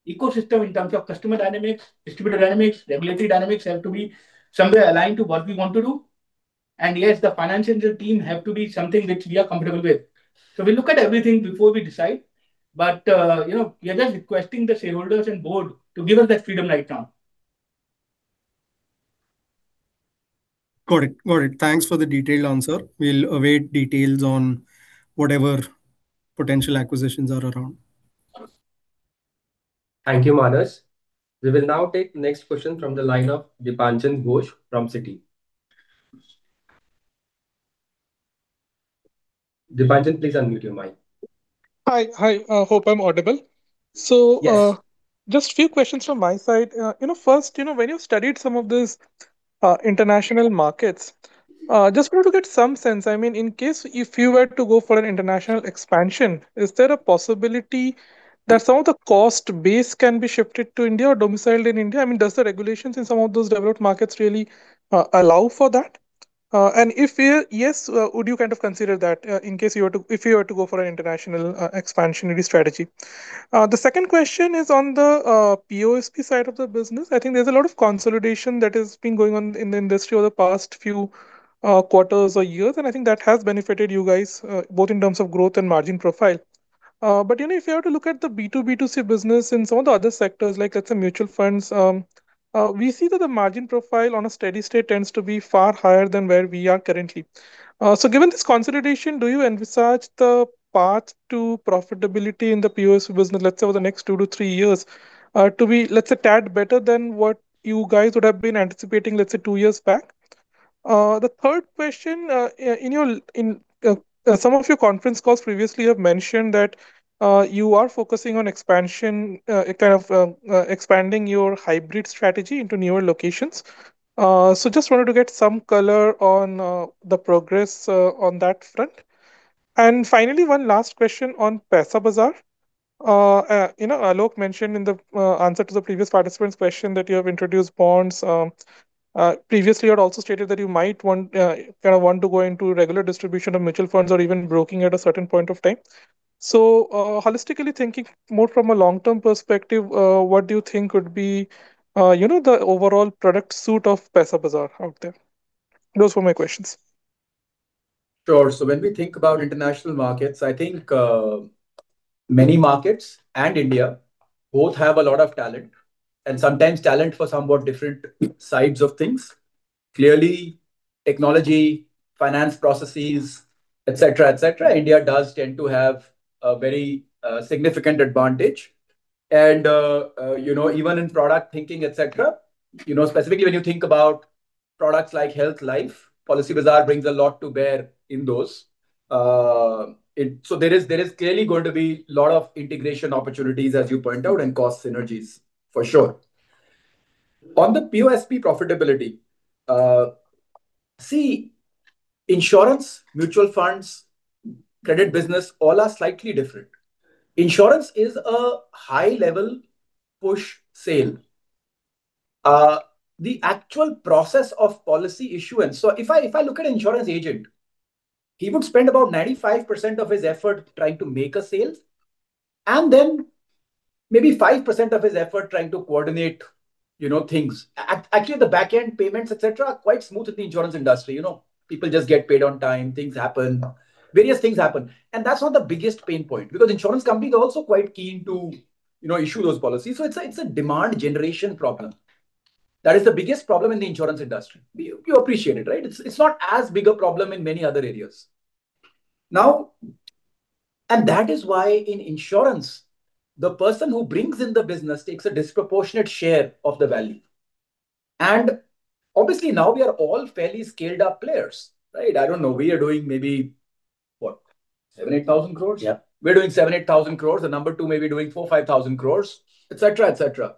Speaker 7: ecosystem in terms of customer dynamics, distributor dynamics, regulatory dynamics have to be somewhere aligned to what we want to do. And yes, the financial team has to be something which we are comfortable with. So, we look at everything before we decide. But, you know, we are just requesting the shareholders and board to give us that freedom right now.
Speaker 6: Got it. Got it. Thanks for the detailed answer. We'll await details on whatever potential acquisitions are around.
Speaker 1: Thank you, Manas. We will now take the next question from the line of Deepanjan Ghosh from Citi. Deepanjan, please unmute your mic.
Speaker 8: Hi. Hi. I hope I'm audible. So, just a few questions from my side. You know, first, you know, when you studied some of these international markets, just wanted to get some sense. I mean, in case if you were to go for an international expansion, is there a possibility that some of the cost base can be shifted to India or domiciled in India? I mean, does the regulations in some of those developed markets really allow for that? And if yes, would you kind of consider that, in case you were to go for an international expansionary strategy? The second question is on the POSP side of the business. I think there's a lot of consolidation that has been going on in the industry over the past few quarters or years. I think that has benefited you guys, both in terms of growth and margin profile. You know, if you have to look at the B2B2C business in some of the other sectors, like, let's say, mutual funds, we see that the margin profile on a steady state tends to be far higher than where we are currently. Given this consolidation, do you envisage the path to profitability in the POSP business, let's say, over the next two to three years, to be, let's say, tad better than what you guys would have been anticipating, let's say, two years back? The third question, in your in, some of your conference calls previously have mentioned that, you are focusing on expansion, kind of, expanding your hybrid strategy into newer locations. Just wanted to get some color on, the progress, on that front. Finally, one last question on Paisabazaar. You know, Alok mentioned in the answer to the previous participant's question that you have introduced bonds. Previously, you had also stated that you might want, kind of want to go into regular distribution of mutual funds or even broking at a certain point of time. So, holistically thinking more from a long-term perspective, what do you think would be, you know, the overall product suite of Paisabazaar out there? Those were my questions.
Speaker 7: Sure. So when we think about international markets, I think many markets and India both have a lot of talent and sometimes talent for somewhat different sides of things. Clearly, technology, finance processes, etc., etc., India does tend to have a very significant advantage. And, you know, even in product thinking, etc., you know, specifically when you think about products like health, life, Policybazaar brings a lot to bear in those. So there is clearly going to be a lot of integration opportunities, as you point out, and cost synergies, for sure. On the POSP profitability, see, insurance, mutual funds, credit business, all are slightly different. Insurance is a high-level push sale. The actual process of policy issuance so if I if I look at an insurance agent, he would spend about 95% of his effort trying to make a sale, and then maybe 5% of his effort trying to coordinate, you know, things. Actually, at the back end, payments, etc., are quite smooth in the insurance industry. You know, people just get paid on time. Things happen. Various things happen. And that's not the biggest pain point because insurance companies are also quite keen to, you know, issue those policies. So it's a it's a demand generation problem. That is the biggest problem in the insurance industry. We we appreciate it, right? It's it's not as big a problem in many other areas. Now. And that is why, in insurance, the person who brings in the business takes a disproportionate share of the value. Obviously, now we are all fairly scaled-up players, right? I don't know. We are doing maybe, what, 7,000-8,000 crores. Yeah, we're doing 7,000-8,000 crores. The number two may be doing 4,000-5,000 crores, etc., etc.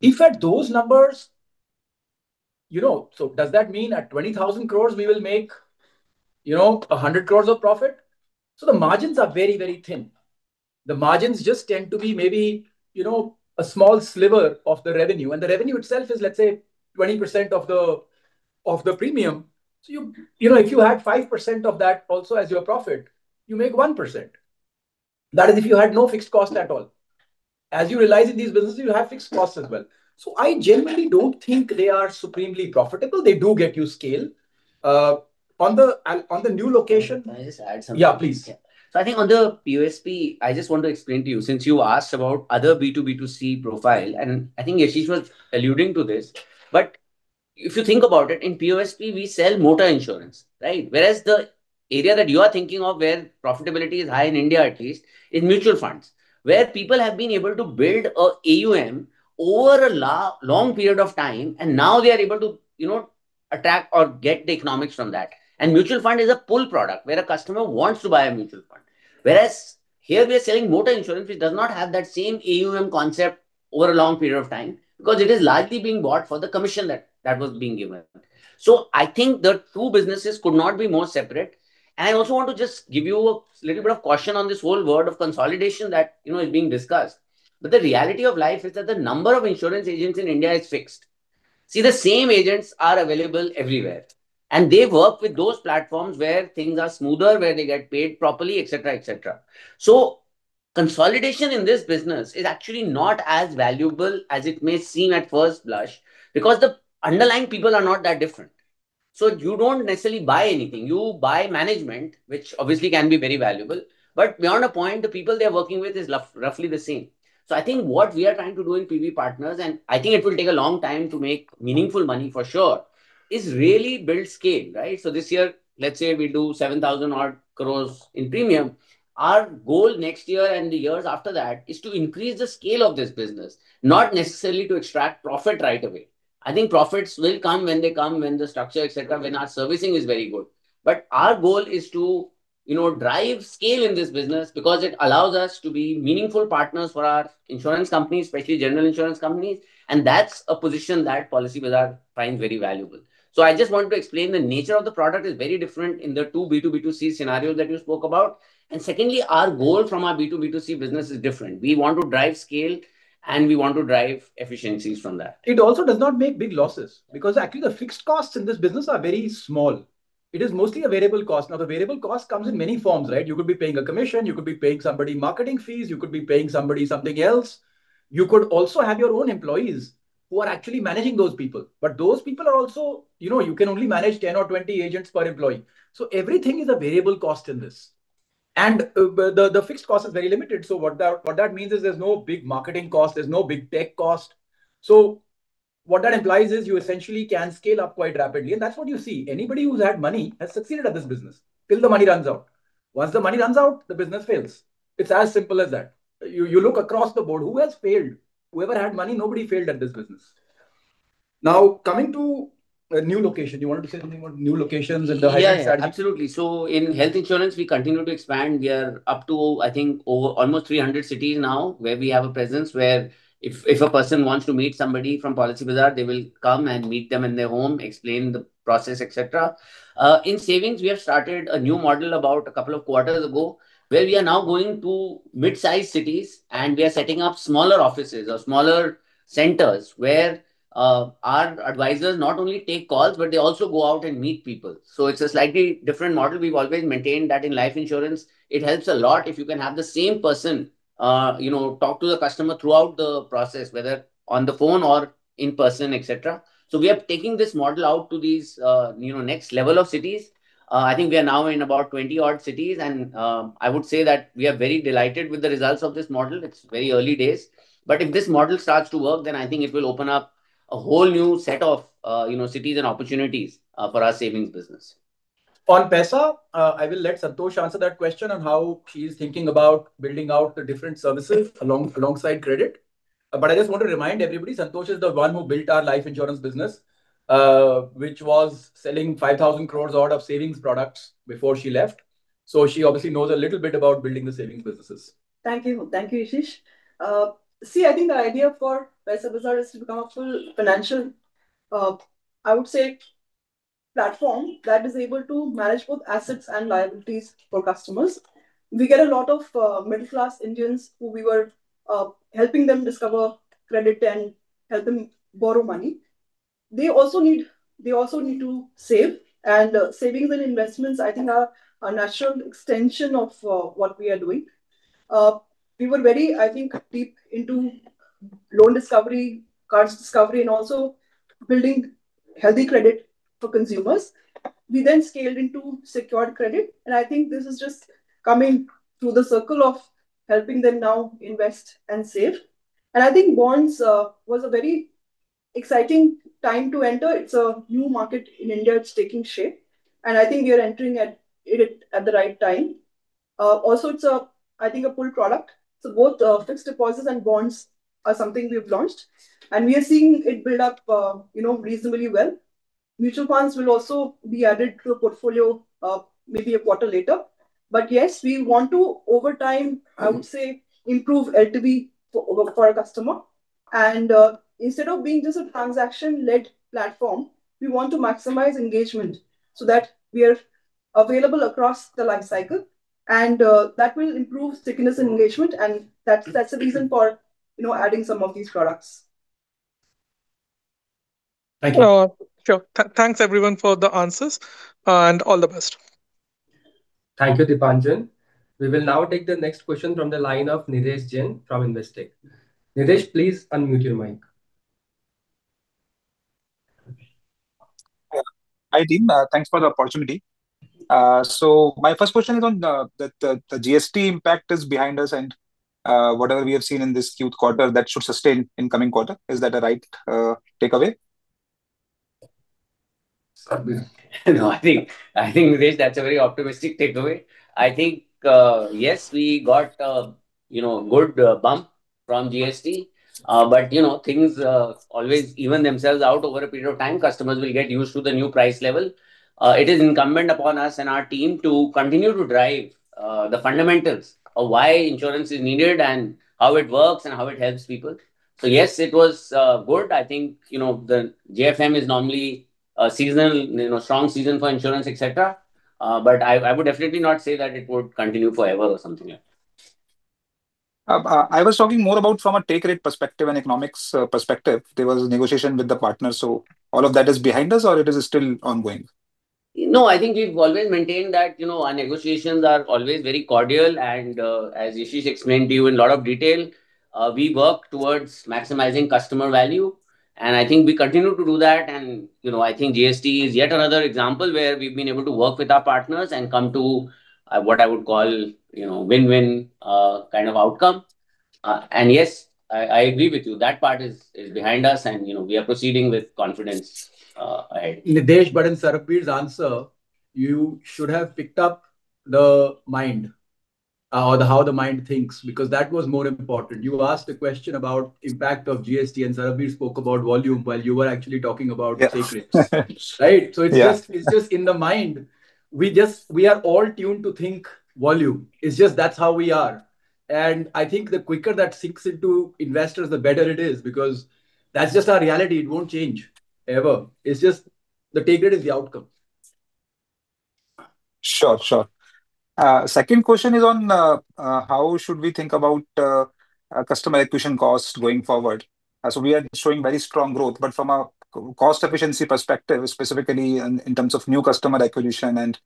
Speaker 7: If at those numbers, you know, so does that mean at 20,000 crores, we will make, you know, 100 crores of profit? So the margins are very, very thin. The margins just tend to be maybe, you know, a small sliver of the revenue. And the revenue itself is, let's say, 20% of the premium. So you know, if you had 5% of that also as your profit, you make 1%. That is if you had no fixed cost at all. As you realize, in these businesses, you have fixed costs as well. So I genuinely don't think they are supremely profitable. They do get you scale.
Speaker 1: On the new location.
Speaker 2: Can I just add something?
Speaker 1: Yeah, please.
Speaker 9: Yeah. So I think on the POSP, I just want to explain to you, since you asked about other B2B2C profile, and I think Yashish was alluding to this. But if you think about it, in POSP, we sell motor insurance, right? Whereas the area that you are thinking of, where profitability is high in India, at least, is mutual funds, where people have been able to build an AUM over a long period of time, and now they are able to, you know, attract or get the economics from that. And mutual fund is a pull product where a customer wants to buy a mutual fund. Whereas here, we are selling motor insurance, which does not have that same AUM concept over a long period of time because it is largely being bought for the commission that that was being given. So I think the two businesses could not be more separate. And I also want to just give you a little bit of caution on this whole world of consolidation that, you know, is being discussed. But the reality of life is that the number of insurance agents in India is fixed. See, the same agents are available everywhere. And they work with those platforms where things are smoother, where they get paid properly, etc., etc. So consolidation in this business is actually not as valuable as it may seem at first blush because the underlying people are not that different. So you don't necessarily buy anything. You buy management, which obviously can be very valuable. But beyond a point, the people they are working with is roughly the same. So I think what we are trying to do in PBPartners, and I think it will take a long time to make meaningful money, for sure, is really build scale, right? So this year, let's say we do 7,000-odd crore in premium. Our goal next year and the years after that is to increase the scale of this business, not necessarily to extract profit right away. I think profits will come when they come, when the structure, etc., when our servicing is very good. But our goal is to, you know, drive scale in this business because it allows us to be meaningful partners for our insurance companies, especially general insurance companies. And that's a position that Policybazaar finds very valuable. So I just want to explain the nature of the product is very different in the two B2B2C scenarios that you spoke about. Secondly, our goal from our B2B2C business is different. We want to drive scale, and we want to drive efficiencies from that.
Speaker 2: It also does not make big losses because, actually, the fixed costs in this business are very small. It is mostly a variable cost. Now, the variable cost comes in many forms, right? You could be paying a commission. You could be paying somebody marketing fees. You could be paying somebody something else. You could also have your own employees who are actually managing those people. But those people are also, you know, you can only manage 10 or 20 agents per employee. So everything is a variable cost in this. And the fixed cost is very limited. So what that means is there's no big marketing cost. There's no big tech cost. So what that implies is you essentially can scale up quite rapidly. And that's what you see. Anybody who's had money has succeeded at this business. Till the money runs out. Once the money runs out, the business fails. It's as simple as that. You look across the board. Who has failed? Whoever had money, nobody failed at this business. Now, coming to a new location, you wanted to say something about new locations and the hybrid strategy.
Speaker 4: Yeah, absolutely. So in health insurance, we continue to expand. We are up to, I think, almost 300 cities now where we have a presence, where if a person wants to meet somebody from Policybazaar, they will come and meet them in their home, explain the process, etc. In savings, we have started a new model about a couple of quarters ago, where we are now going to midsize cities, and we are setting up smaller offices or smaller centers where our advisors not only take calls, but they also go out and meet people. So it's a slightly different model. We've always maintained that in life insurance, it helps a lot if you can have the same person, you know, talk to the customer throughout the process, whether on the phone or in person, etc. So we are taking this model out to these, you know, next level of cities. I think we are now in about 20 odd cities. And, I would say that we are very delighted with the results of this model. It's very early days. But if this model starts to work, then I think it will open up a whole new set of, you know, cities and opportunities, for our savings business.
Speaker 2: On Paisabazaar, I will let Santosh answer that question on how she's thinking about building out the different services along alongside credit. But I just want to remind everybody, Santosh is the one who built our life insurance business, which was selling 5,000 crore odd of savings products before she left. So she obviously knows a little bit about building the savings businesses.
Speaker 10: Thank you. Thank you, Yashish. See, I think the idea for Paisabazaar is to become a full financial, I would say, platform that is able to manage both assets and liabilities for customers. We get a lot of middle-class Indians who we were helping them discover credit and help them borrow money. They also need to save. And savings and investments, I think, are a natural extension of what we are doing. We were very, I think, deep into loan discovery, cards discovery, and also building healthy credit for consumers. We then scaled into secured credit. And I think this is just coming full circle of helping them now invest and save. And I think bonds was a very exciting time to enter. It's a new market in India. It's taking shape. And I think we are entering it at the right time. Also, it's a, I think, a pull product. So both, fixed deposits and bonds are something we've launched. And we are seeing it build up, you know, reasonably well. Mutual funds will also be added to the portfolio, maybe a quarter later. But yes, we want to, over time, I would say, improve LTV for for a customer. And, instead of being just a transaction-led platform, we want to maximize engagement so that we are available across the lifecycle. And, that will improve stickiness and engagement. And that's that's the reason for, you know, adding some of these products.
Speaker 2: Thank you.
Speaker 8: Sure. Thanks, everyone, for the answers. And all the best.
Speaker 1: Thank you, Deepanjan. We will now take the next question from the line of Nidhesh Jain from Investec. Nidhesh, please unmute your mic.
Speaker 11: Hi, Deep. Thanks for the opportunity. So my first question is on that the GST impact is behind us and whatever we have seen in this Q4 that should sustain in coming quarter. Is that a right takeaway?
Speaker 2: No, I think I think, Nidhesh, that's a very optimistic takeaway. I think, yes, we got, you know, a good bump from GST. But, you know, things always even themselves out over a period of time. Customers will get used to the new price level. It is incumbent upon us and our team to continue to drive the fundamentals of why insurance is needed and how it works and how it helps people. So yes, it was good. I think, you know, the JFM is normally a seasonal, you know, strong season for insurance, etc. But I would definitely not say that it would continue forever or something like that.
Speaker 11: I was talking more about from a take-rate perspective and economics perspective. There was a negotiation with the partner. So all of that is behind us, or it is still ongoing?
Speaker 4: No, I think we've always maintained that, you know, our negotiations are always very cordial. And, as Yashish explained to you in a lot of detail, we work towards maximizing customer value. And I think we continue to do that. And, you know, I think GST is yet another example where we've been able to work with our partners and come to what I would call, you know, win-win, kind of outcome. And yes, I agree with you. That part is behind us. And, you know, we are proceeding with confidence, ahead.
Speaker 2: Nidhesh, in Sarbvir's answer, you should have picked up the mindset, or how the mind thinks because that was more important. You asked a question about the impact of GST, and Sarbvir spoke about volume while you were actually talking about the take-rates, right? So it's just it's just in the mind. We just we are all tuned to think volume. It's just that's how we are. I think the quicker that sinks into investors, the better it is because that's just our reality. It won't change ever. It's just the take-rate is the outcome.
Speaker 11: Sure, sure. Second question is on how should we think about customer acquisition costs going forward? So we are showing very strong growth. But from a cost efficiency perspective, specifically in terms of new customer acquisition and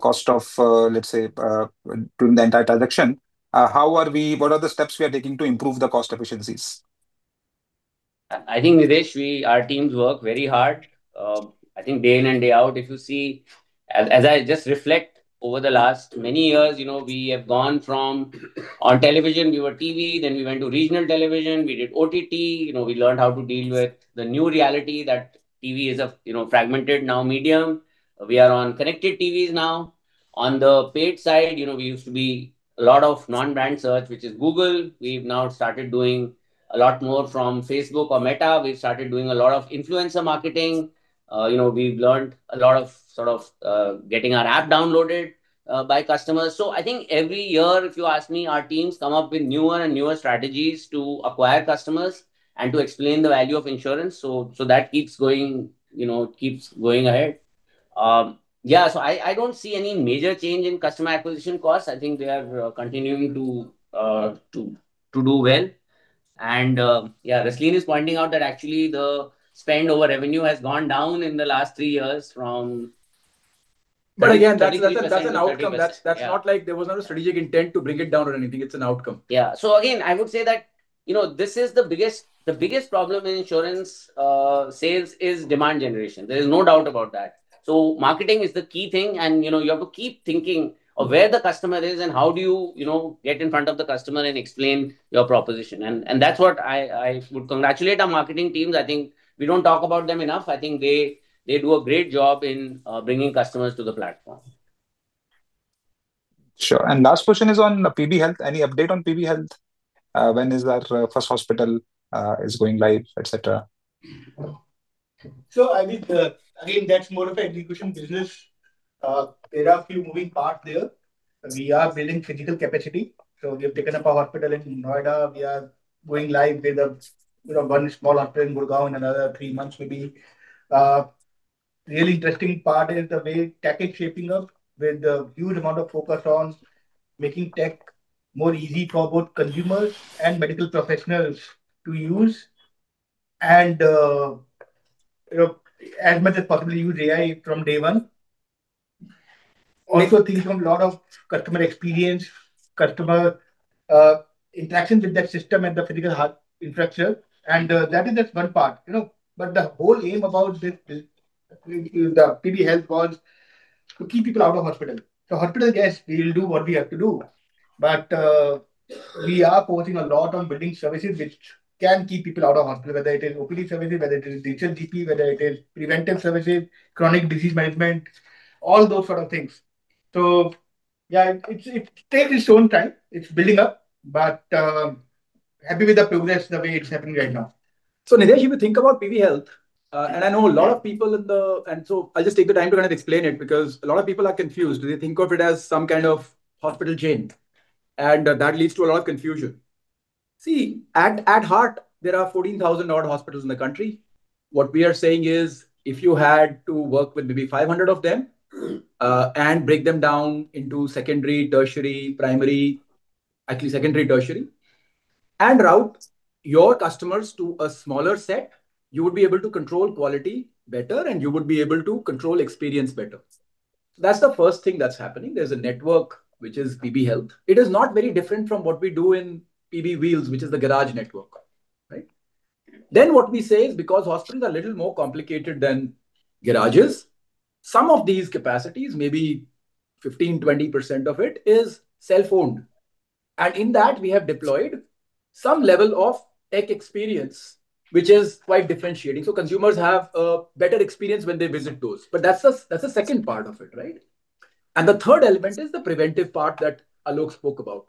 Speaker 11: cost of, let's say, during the entire transaction, how are we, what are the steps we are taking to improve the cost efficiencies?
Speaker 4: I think, Nidhesh, our teams work very hard. I think day in and day out, if you see, as I just reflect over the last many years, you know, we have gone from on television, we were TV, then we went to regional television. We did OTT. You know, we learned how to deal with the new reality that TV is a, you know, fragmented now medium. We are on connected TVs now. On the paid side, you know, we used to be a lot of non-brand search, which is Google. We've now started doing a lot more from Facebook or Meta. We've started doing a lot of influencer marketing. You know, we've learned a lot of sort of, getting our app downloaded, by customers. So I think every year, if you ask me, our teams come up with newer and newer strategies to acquire customers and to explain the value of insurance. So that keeps going, you know, keeps going ahead. Yeah, so I don't see any major change in customer acquisition costs. I think they are continuing to do well. And yeah, Rasleen is pointing out that actually the spend over revenue has gone down in the last three years from.
Speaker 2: But again, that's an outcome. That's not like there was not a strategic intent to bring it down or anything. It's an outcome.
Speaker 4: Yeah. So again, I would say that, you know, this is the biggest problem in insurance sales is demand generation. There is no doubt about that. So marketing is the key thing. And, you know, you have to keep thinking of where the customer is and how do you, you know, get in front of the customer and explain your proposition. And that's what I would congratulate our marketing teams. I think we don't talk about them enough. I think they do a great job in bringing customers to the platform.
Speaker 11: Sure. Last question is on PB Health. Any update on PB Health? When is our first hospital going live, etc.?
Speaker 7: So I think, again, that's more of an execution business. There are a few moving parts there. We are building physical capacity. So we have taken up our hospital in Noida. We are going live with a, you know, one small hospital in Gurgaon in another three months, maybe. Really interesting part is the way tech is shaping up with a huge amount of focus on making tech more easy for both consumers and medical professionals to use and, you know, as much as possible, use AI from day one. Also, thinking of a lot of customer experience, customer, interactions with that system and the physical health infrastructure. And, that is that's one part, you know. But the whole aim about this is the PB Health was to keep people out of hospital. So hospital, yes, we will do what we have to do. But we are focusing a lot on building services which can keep people out of hospital, whether it is OPD services, whether it is digital GP, whether it is preventive services, chronic disease management, all those sort of things. So yeah, it's it takes its own time. It's building up. But happy with the progress, the way it's happening right now.
Speaker 2: So Nidhesh, if you think about PB Health, and I know a lot of people in the room and so I'll just take the time to kind of explain it because a lot of people are confused. They think of it as some kind of hospital chain. And that leads to a lot of confusion. See, at heart, there are 14,000-odd hospitals in the country. What we are saying is, if you had to work with maybe 500 of them, and break them down into secondary, tertiary, primary, actually secondary, tertiary, and route your customers to a smaller set, you would be able to control quality better, and you would be able to control experience better. So that's the first thing that's happening. There's a network, which is PB Health. It is not very different from what we do in PB Garages, which is the garage network, right? Then what we say is, because hospitals are a little more complicated than garages, some of these capacities, maybe 15%-20% of it, is self-owned. And in that, we have deployed some level of tech experience, which is quite differentiating. So consumers have a better experience when they visit those. But that's the second part of it, right? And the third element is the preventive part that Alok spoke about.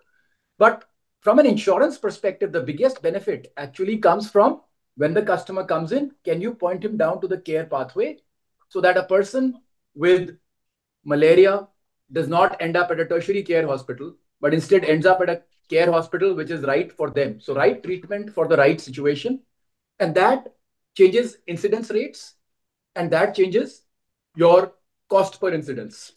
Speaker 2: But from an insurance perspective, the biggest benefit actually comes from when the customer comes in, can you point him down to the care pathway so that a person with malaria does not end up at a tertiary care hospital, but instead ends up at a care hospital which is right for them, so right treatment for the right situation? And that changes incidence rates. And that changes your cost per incidence.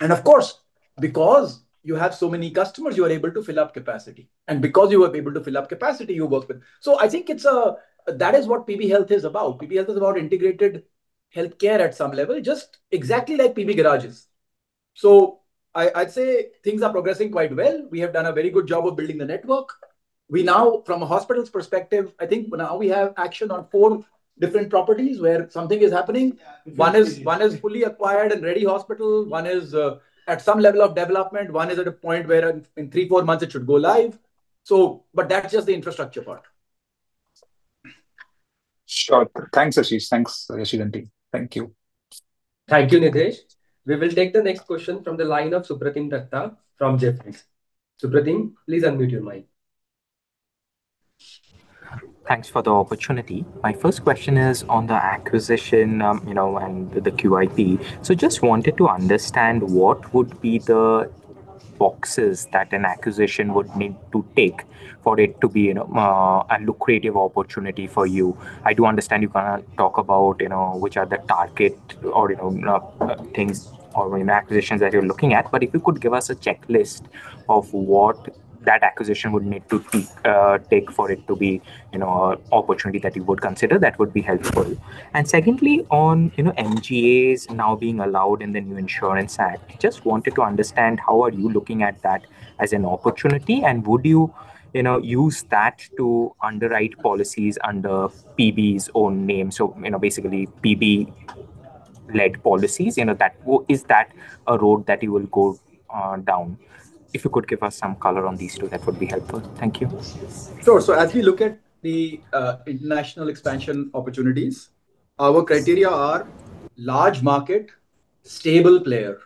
Speaker 2: And of course, because you have so many customers, you are able to fill up capacity. And because you are able to fill up capacity, you work with. So I think it's a that is what PB Health is about. PB Health is about integrated healthcare at some level, just exactly like PB Garages. So I'd say things are progressing quite well. We have done a very good job of building the network. We now, from a hospital's perspective, I think now we have action on four different properties where something is happening. One is one is fully acquired and ready hospital. One is, at some level of development. One is at a point where in in three, four months, it should go live. So but that's just the infrastructure part.
Speaker 11: Sure. Thanks, Yashish. Thanks, Yashish and Deep. Thank you.
Speaker 1: Thank you, Nitish. We will take the next question from the line of Supratim Datta from Ambit Capital. Supratim, please unmute your mic.
Speaker 12: Thanks for the opportunity. My first question is on the acquisition, you know, and the QIP. So just wanted to understand what would be the boxes that an acquisition would need to take for it to be, you know, a lucrative opportunity for you. I do understand you're going to talk about, you know, which are the target or, you know, things or, you know, acquisitions that you're looking at. But if you could give us a checklist of what that acquisition would need to take for it to be, you know, an opportunity that you would consider, that would be helpful. And secondly, on, you know, MGAs now being allowed in the new Insurance Act, just wanted to understand how are you looking at that as an opportunity? And would you, you know, use that to underwrite policies under PB's own name? So, you know, basically, PB-led policies, you know, is that a road that you will go down? If you could give us some color on these two, that would be helpful. Thank you.
Speaker 2: Sure. So as we look at the international expansion opportunities, our criteria are large market, stable player.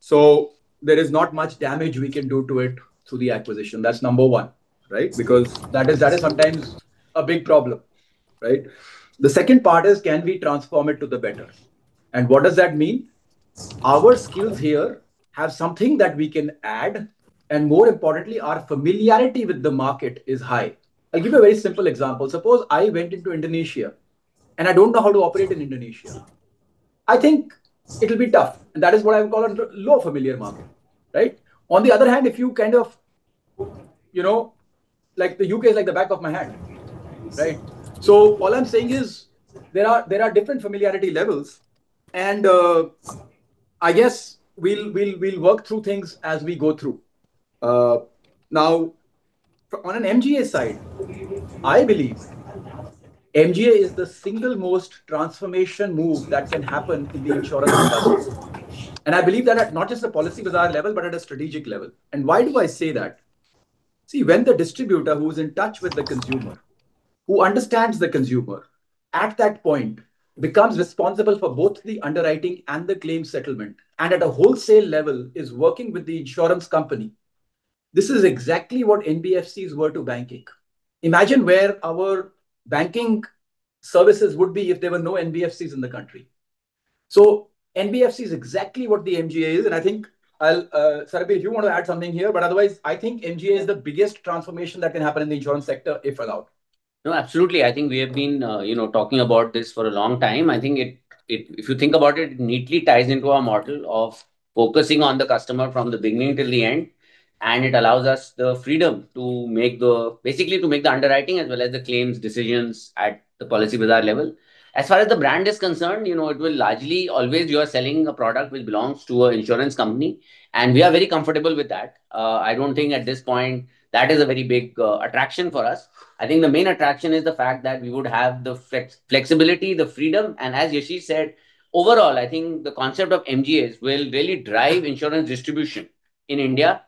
Speaker 2: So there is not much damage we can do to it through the acquisition. That's number one, right? Because that is sometimes a big problem, right? The second part is, can we transform it to the better? And what does that mean? Our skills here have something that we can add. And more importantly, our familiarity with the market is high. I'll give you a very simple example. Suppose I went into Indonesia, and I don't know how to operate in Indonesia. I think it'll be tough. And that is what I would call a low familiar market, right? On the other hand, if you kind of, you know, like the UK is like the back of my hand, right? So all I'm saying is, there are different familiarity levels. And, I guess we'll work through things as we go through. Now, on an MGA side, I believe MGA is the single most transformation move that can happen in the insurance industry. And I believe that at not just the Policybazaar level, but at a strategic level. And why do I say that? See, when the distributor who is in touch with the consumer, who understands the consumer, at that point becomes responsible for both the underwriting and the claim settlement, and at a wholesale level is working with the insurance company, this is exactly what NBFCs were to banking. Imagine where our banking services would be if there were no NBFCs in the country. So NBFC is exactly what the MGA is. And I think, Sarbvir, if you want to add something here. Otherwise, I think MGA is the biggest transformation that can happen in the insurance sector, if allowed.
Speaker 4: No, absolutely. I think we have been, you know, talking about this for a long time. I think it if you think about it, it neatly ties into our model of focusing on the customer from the beginning till the end. And it allows us the freedom to make the underwriting as well as the claims decisions at the Policybazaar level. As far as the brand is concerned, you know, it will largely always you are selling a product which belongs to an insurance company. And we are very comfortable with that. I don't think at this point, that is a very big attraction for us. I think the main attraction is the fact that we would have the flexibility, the freedom. And as Yashish said, overall, I think the concept of MGAs will really drive insurance distribution in India.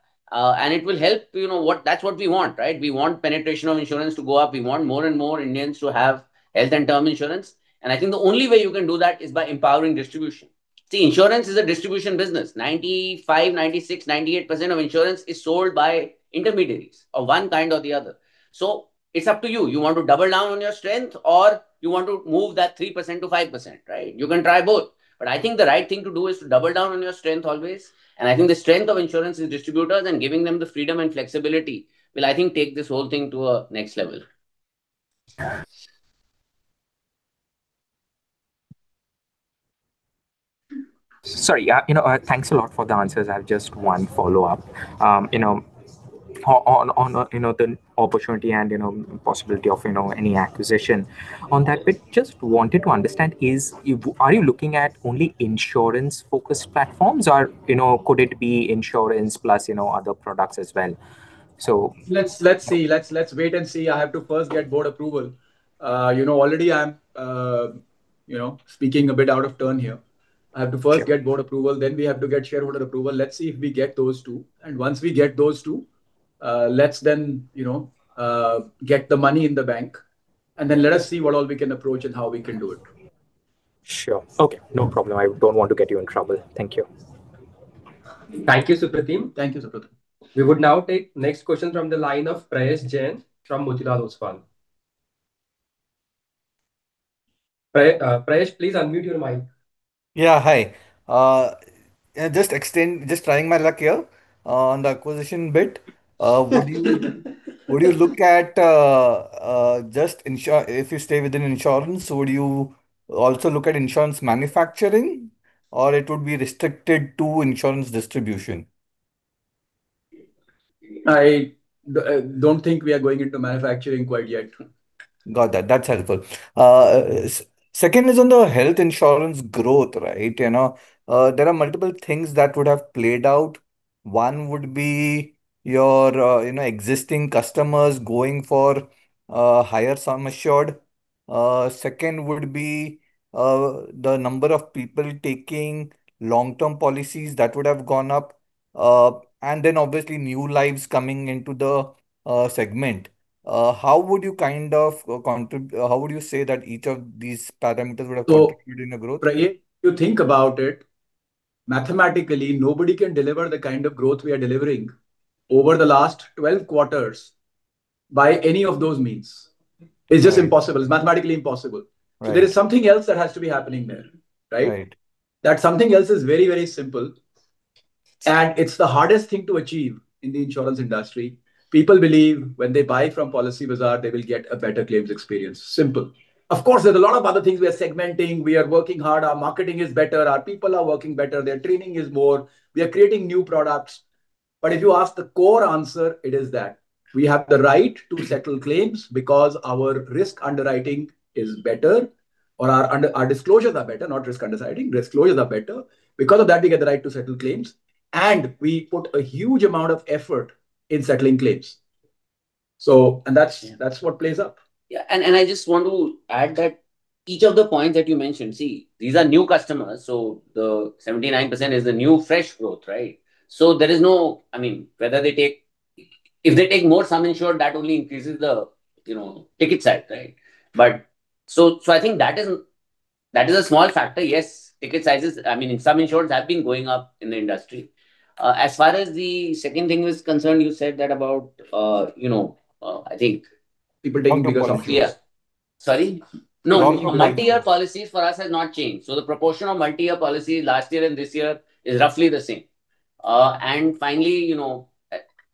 Speaker 4: It will help, you know, what that's what we want, right? We want penetration of insurance to go up. We want more and more Indians to have health and term insurance. And I think the only way you can do that is by empowering distribution. See, insurance is a distribution business. 95%, 96%, 98% of insurance is sold by intermediaries of one kind or the other. So it's up to you. You want to double down on your strength, or you want to move that 3%-5%, right? You can try both. But I think the right thing to do is to double down on your strength always. And I think the strength of insurance is distributors and giving them the freedom and flexibility will, I think, take this whole thing to a next level.
Speaker 12: Sorry, yeah, you know, thanks a lot for the answers. I have just one follow-up, you know, on the opportunity and, you know, possibility of, you know, any acquisition on that bit. Just wanted to understand, are you looking at only insurance-focused platforms, or, you know, could it be insurance plus, you know, other products as well? So.
Speaker 2: Let's see. Let's wait and see. I have to first get board approval. You know, already I'm, you know, speaking a bit out of turn here. I have to first get board approval. Then we have to get shareholder approval. Let's see if we get those two. And once we get those two, let's then, you know, get the money in the bank. And then let us see what all we can approach and how we can do it.
Speaker 12: Sure. Okay, no problem. I don't want to get you in trouble. Thank you.
Speaker 1: Thank you, Supratim. Thank you, Supratim. We would now take the next question from the line of Prayesh Jain from Motilal Oswal. Prayesh, please unmute your mic.
Speaker 13: Yeah, hi. Just trying my luck here, on the acquisition bit. Would you look at, just ensure if you stay within insurance, would you also look at insurance manufacturing, or would it be restricted to insurance distribution?
Speaker 2: I don't think we are going into manufacturing quite yet.
Speaker 13: Got that. That's helpful. Second is on the health insurance growth, right? You know, there are multiple things that would have played out. One would be your, you know, existing customers going for higher sum assured. Second would be the number of people taking long-term policies that would have gone up. And then obviously, new lives coming into the segment. How would you kind of contribute? How would you say that each of these parameters would have contributed in the growth?
Speaker 2: Prayesh, if you think about it, mathematically, nobody can deliver the kind of growth we are delivering over the last 12 quarters by any of those means. It's just impossible. It's mathematically impossible. So there is something else that has to be happening there, right? That something else is very, very simple. It's the hardest thing to achieve in the insurance industry. People believe when they buy from Policybazaar, they will get a better claims experience. Simple. Of course, there's a lot of other things. We are segmenting. We are working hard. Our marketing is better. Our people are working better. Their training is more. We are creating new products. But if you ask the core answer, it is that we have the right to settle claims because our risk underwriting is better or our disclosures are better, not risk underwriting. Disclosures are better. Because of that, we get the right to settle claims. And we put a huge amount of effort in settling claims. And that's what plays up.
Speaker 4: Yeah. And I just want to add that each of the points that you mentioned, see, these are new customers. So the 79% is the new fresh growth, right? So there is no, I mean, whether they take more sum insured, that only increases the, you know, ticket size, right? But so I think that is a small factor. Yes, ticket sizes, I mean, in some insurance have been going up in the industry. As far as the second thing was concerned, you said that about, you know, I think.
Speaker 1: People taking bigger sums.
Speaker 2: Yeah. Sorry? No, multi-year policies for us have not changed. So the proportion of multi-year policies last year and this year is roughly the same. And finally, you know,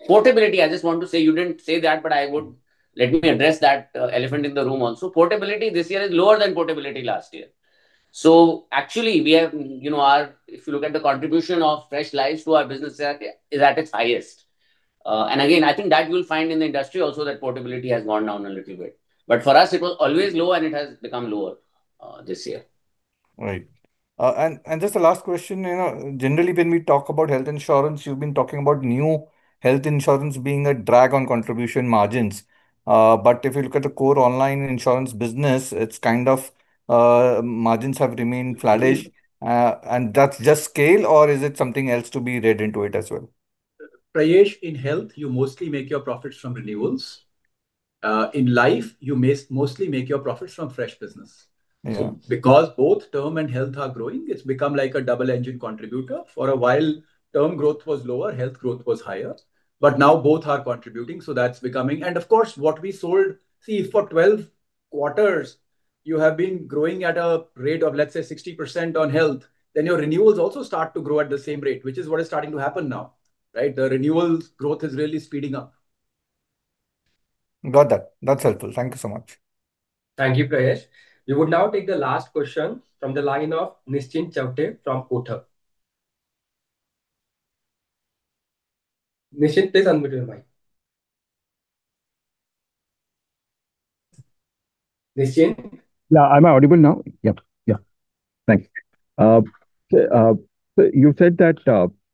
Speaker 2: portability, I just want to say you didn't say that, but I would let me address that elephant in the room also. Portability this year is lower than portability last year. So actually, we have, you know, our, if you look at the contribution of fresh lives to our business, it's at its highest. And again, I think that you'll find in the industry also that portability has gone down a little bit. But for us, it was always low, and it has become lower this year.
Speaker 13: Right. And just the last question, you know, generally, when we talk about health insurance, you've been talking about new health insurance being a drag on contribution margins. But if you look at the core online insurance business, it's kind of, margins have remained flatish. And that's just scale, or is it something else to be read into it as well?
Speaker 2: Prayesh, in health, you mostly make your profits from renewals. In life, you may mostly make your profits from fresh business. So because both term and health are growing, it's become like a double-engine contributor. For a while, term growth was lower. Health growth was higher. But now both are contributing. So that's becoming and of course, what we sold see, for 12 quarters, you have been growing at a rate of, let's say, 60% on health. Then your renewals also start to grow at the same rate, which is what is starting to happen now, right? The renewals growth is really speeding up.
Speaker 13: Got that. That's helpful. Thank you so much.
Speaker 1: Thank you, Prayesh. We would now take the last question from the line of Nischint Chawathe from Kotak. Nischint, please unmute your mic. Nischint?
Speaker 14: Yeah, am I audible now? Yep. Yeah. Thanks. So you said that,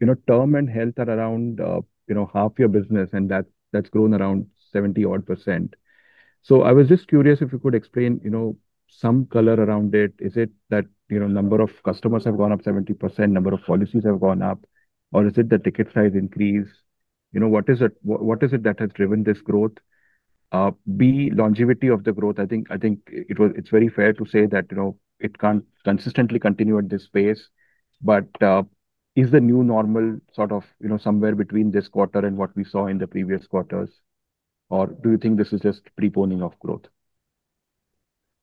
Speaker 14: you know, term and health are around, you know, half your business, and that that's grown around 70-odd%. So I was just curious if you could explain, you know, some color around it. Is it that, you know, number of customers have gone up 70%, number of policies have gone up, or is it the ticket size increase? You know, what is it what is it that has driven this growth? B, longevity of the growth. I think it's very fair to say that, you know, it can't consistently continue at this pace. But, is the new normal sort of, you know, somewhere between this quarter and what we saw in the previous quarters? Or do you think this is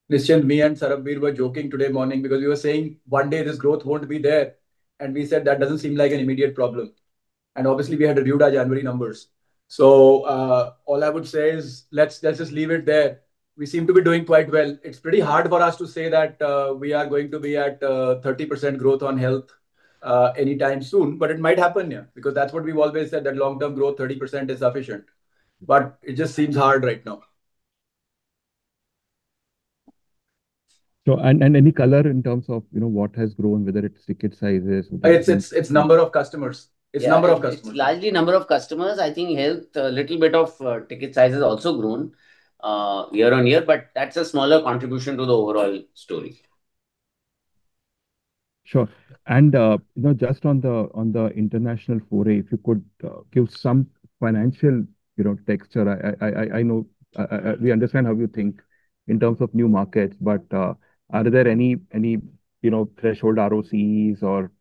Speaker 14: just preponing of growth?
Speaker 2: Nischint, me and Sarbvir were joking today morning because we were saying, one day, this growth won't be there. And we said, that doesn't seem like an immediate problem. And obviously, we had reviewed our January numbers. So, all I would say is, let's just leave it there. We seem to be doing quite well. It's pretty hard for us to say that we are going to be at 30% growth on health anytime soon. But it might happen, yeah, because that's what we've always said, that long-term growth, 30% is sufficient. But it just seems hard right now.
Speaker 14: So, any color in terms of, you know, what has grown, whether it's ticket sizes?
Speaker 2: It's number of customers. It's number of customers.
Speaker 4: It's largely number of customers. I think health, a little bit of ticket size has also grown, year on year. But that's a smaller contribution to the overall story.
Speaker 14: Sure. And, you know, just on the international foray, if you could give some financial, you know, texture. I know we understand how you think in terms of new markets. But, are there any, you know, threshold ROCs or,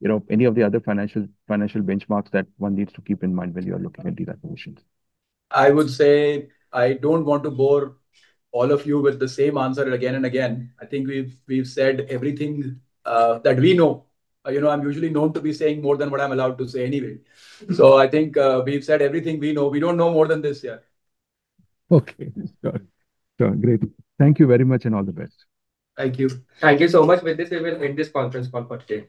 Speaker 14: you know, any of the other financial benchmarks that one needs to keep in mind when you are looking into that position?
Speaker 2: I would say I don't want to bore all of you with the same answer again and again. I think we've said everything that we know. You know, I'm usually known to be saying more than what I'm allowed to say anyway. So I think we've said everything we know. We don't know more than this year.
Speaker 14: Okay. Sure. Sure. Great. Thank you very much, and all the best.
Speaker 1: Thank you.
Speaker 2: Thank you so much. With this, we will end this conference call for today.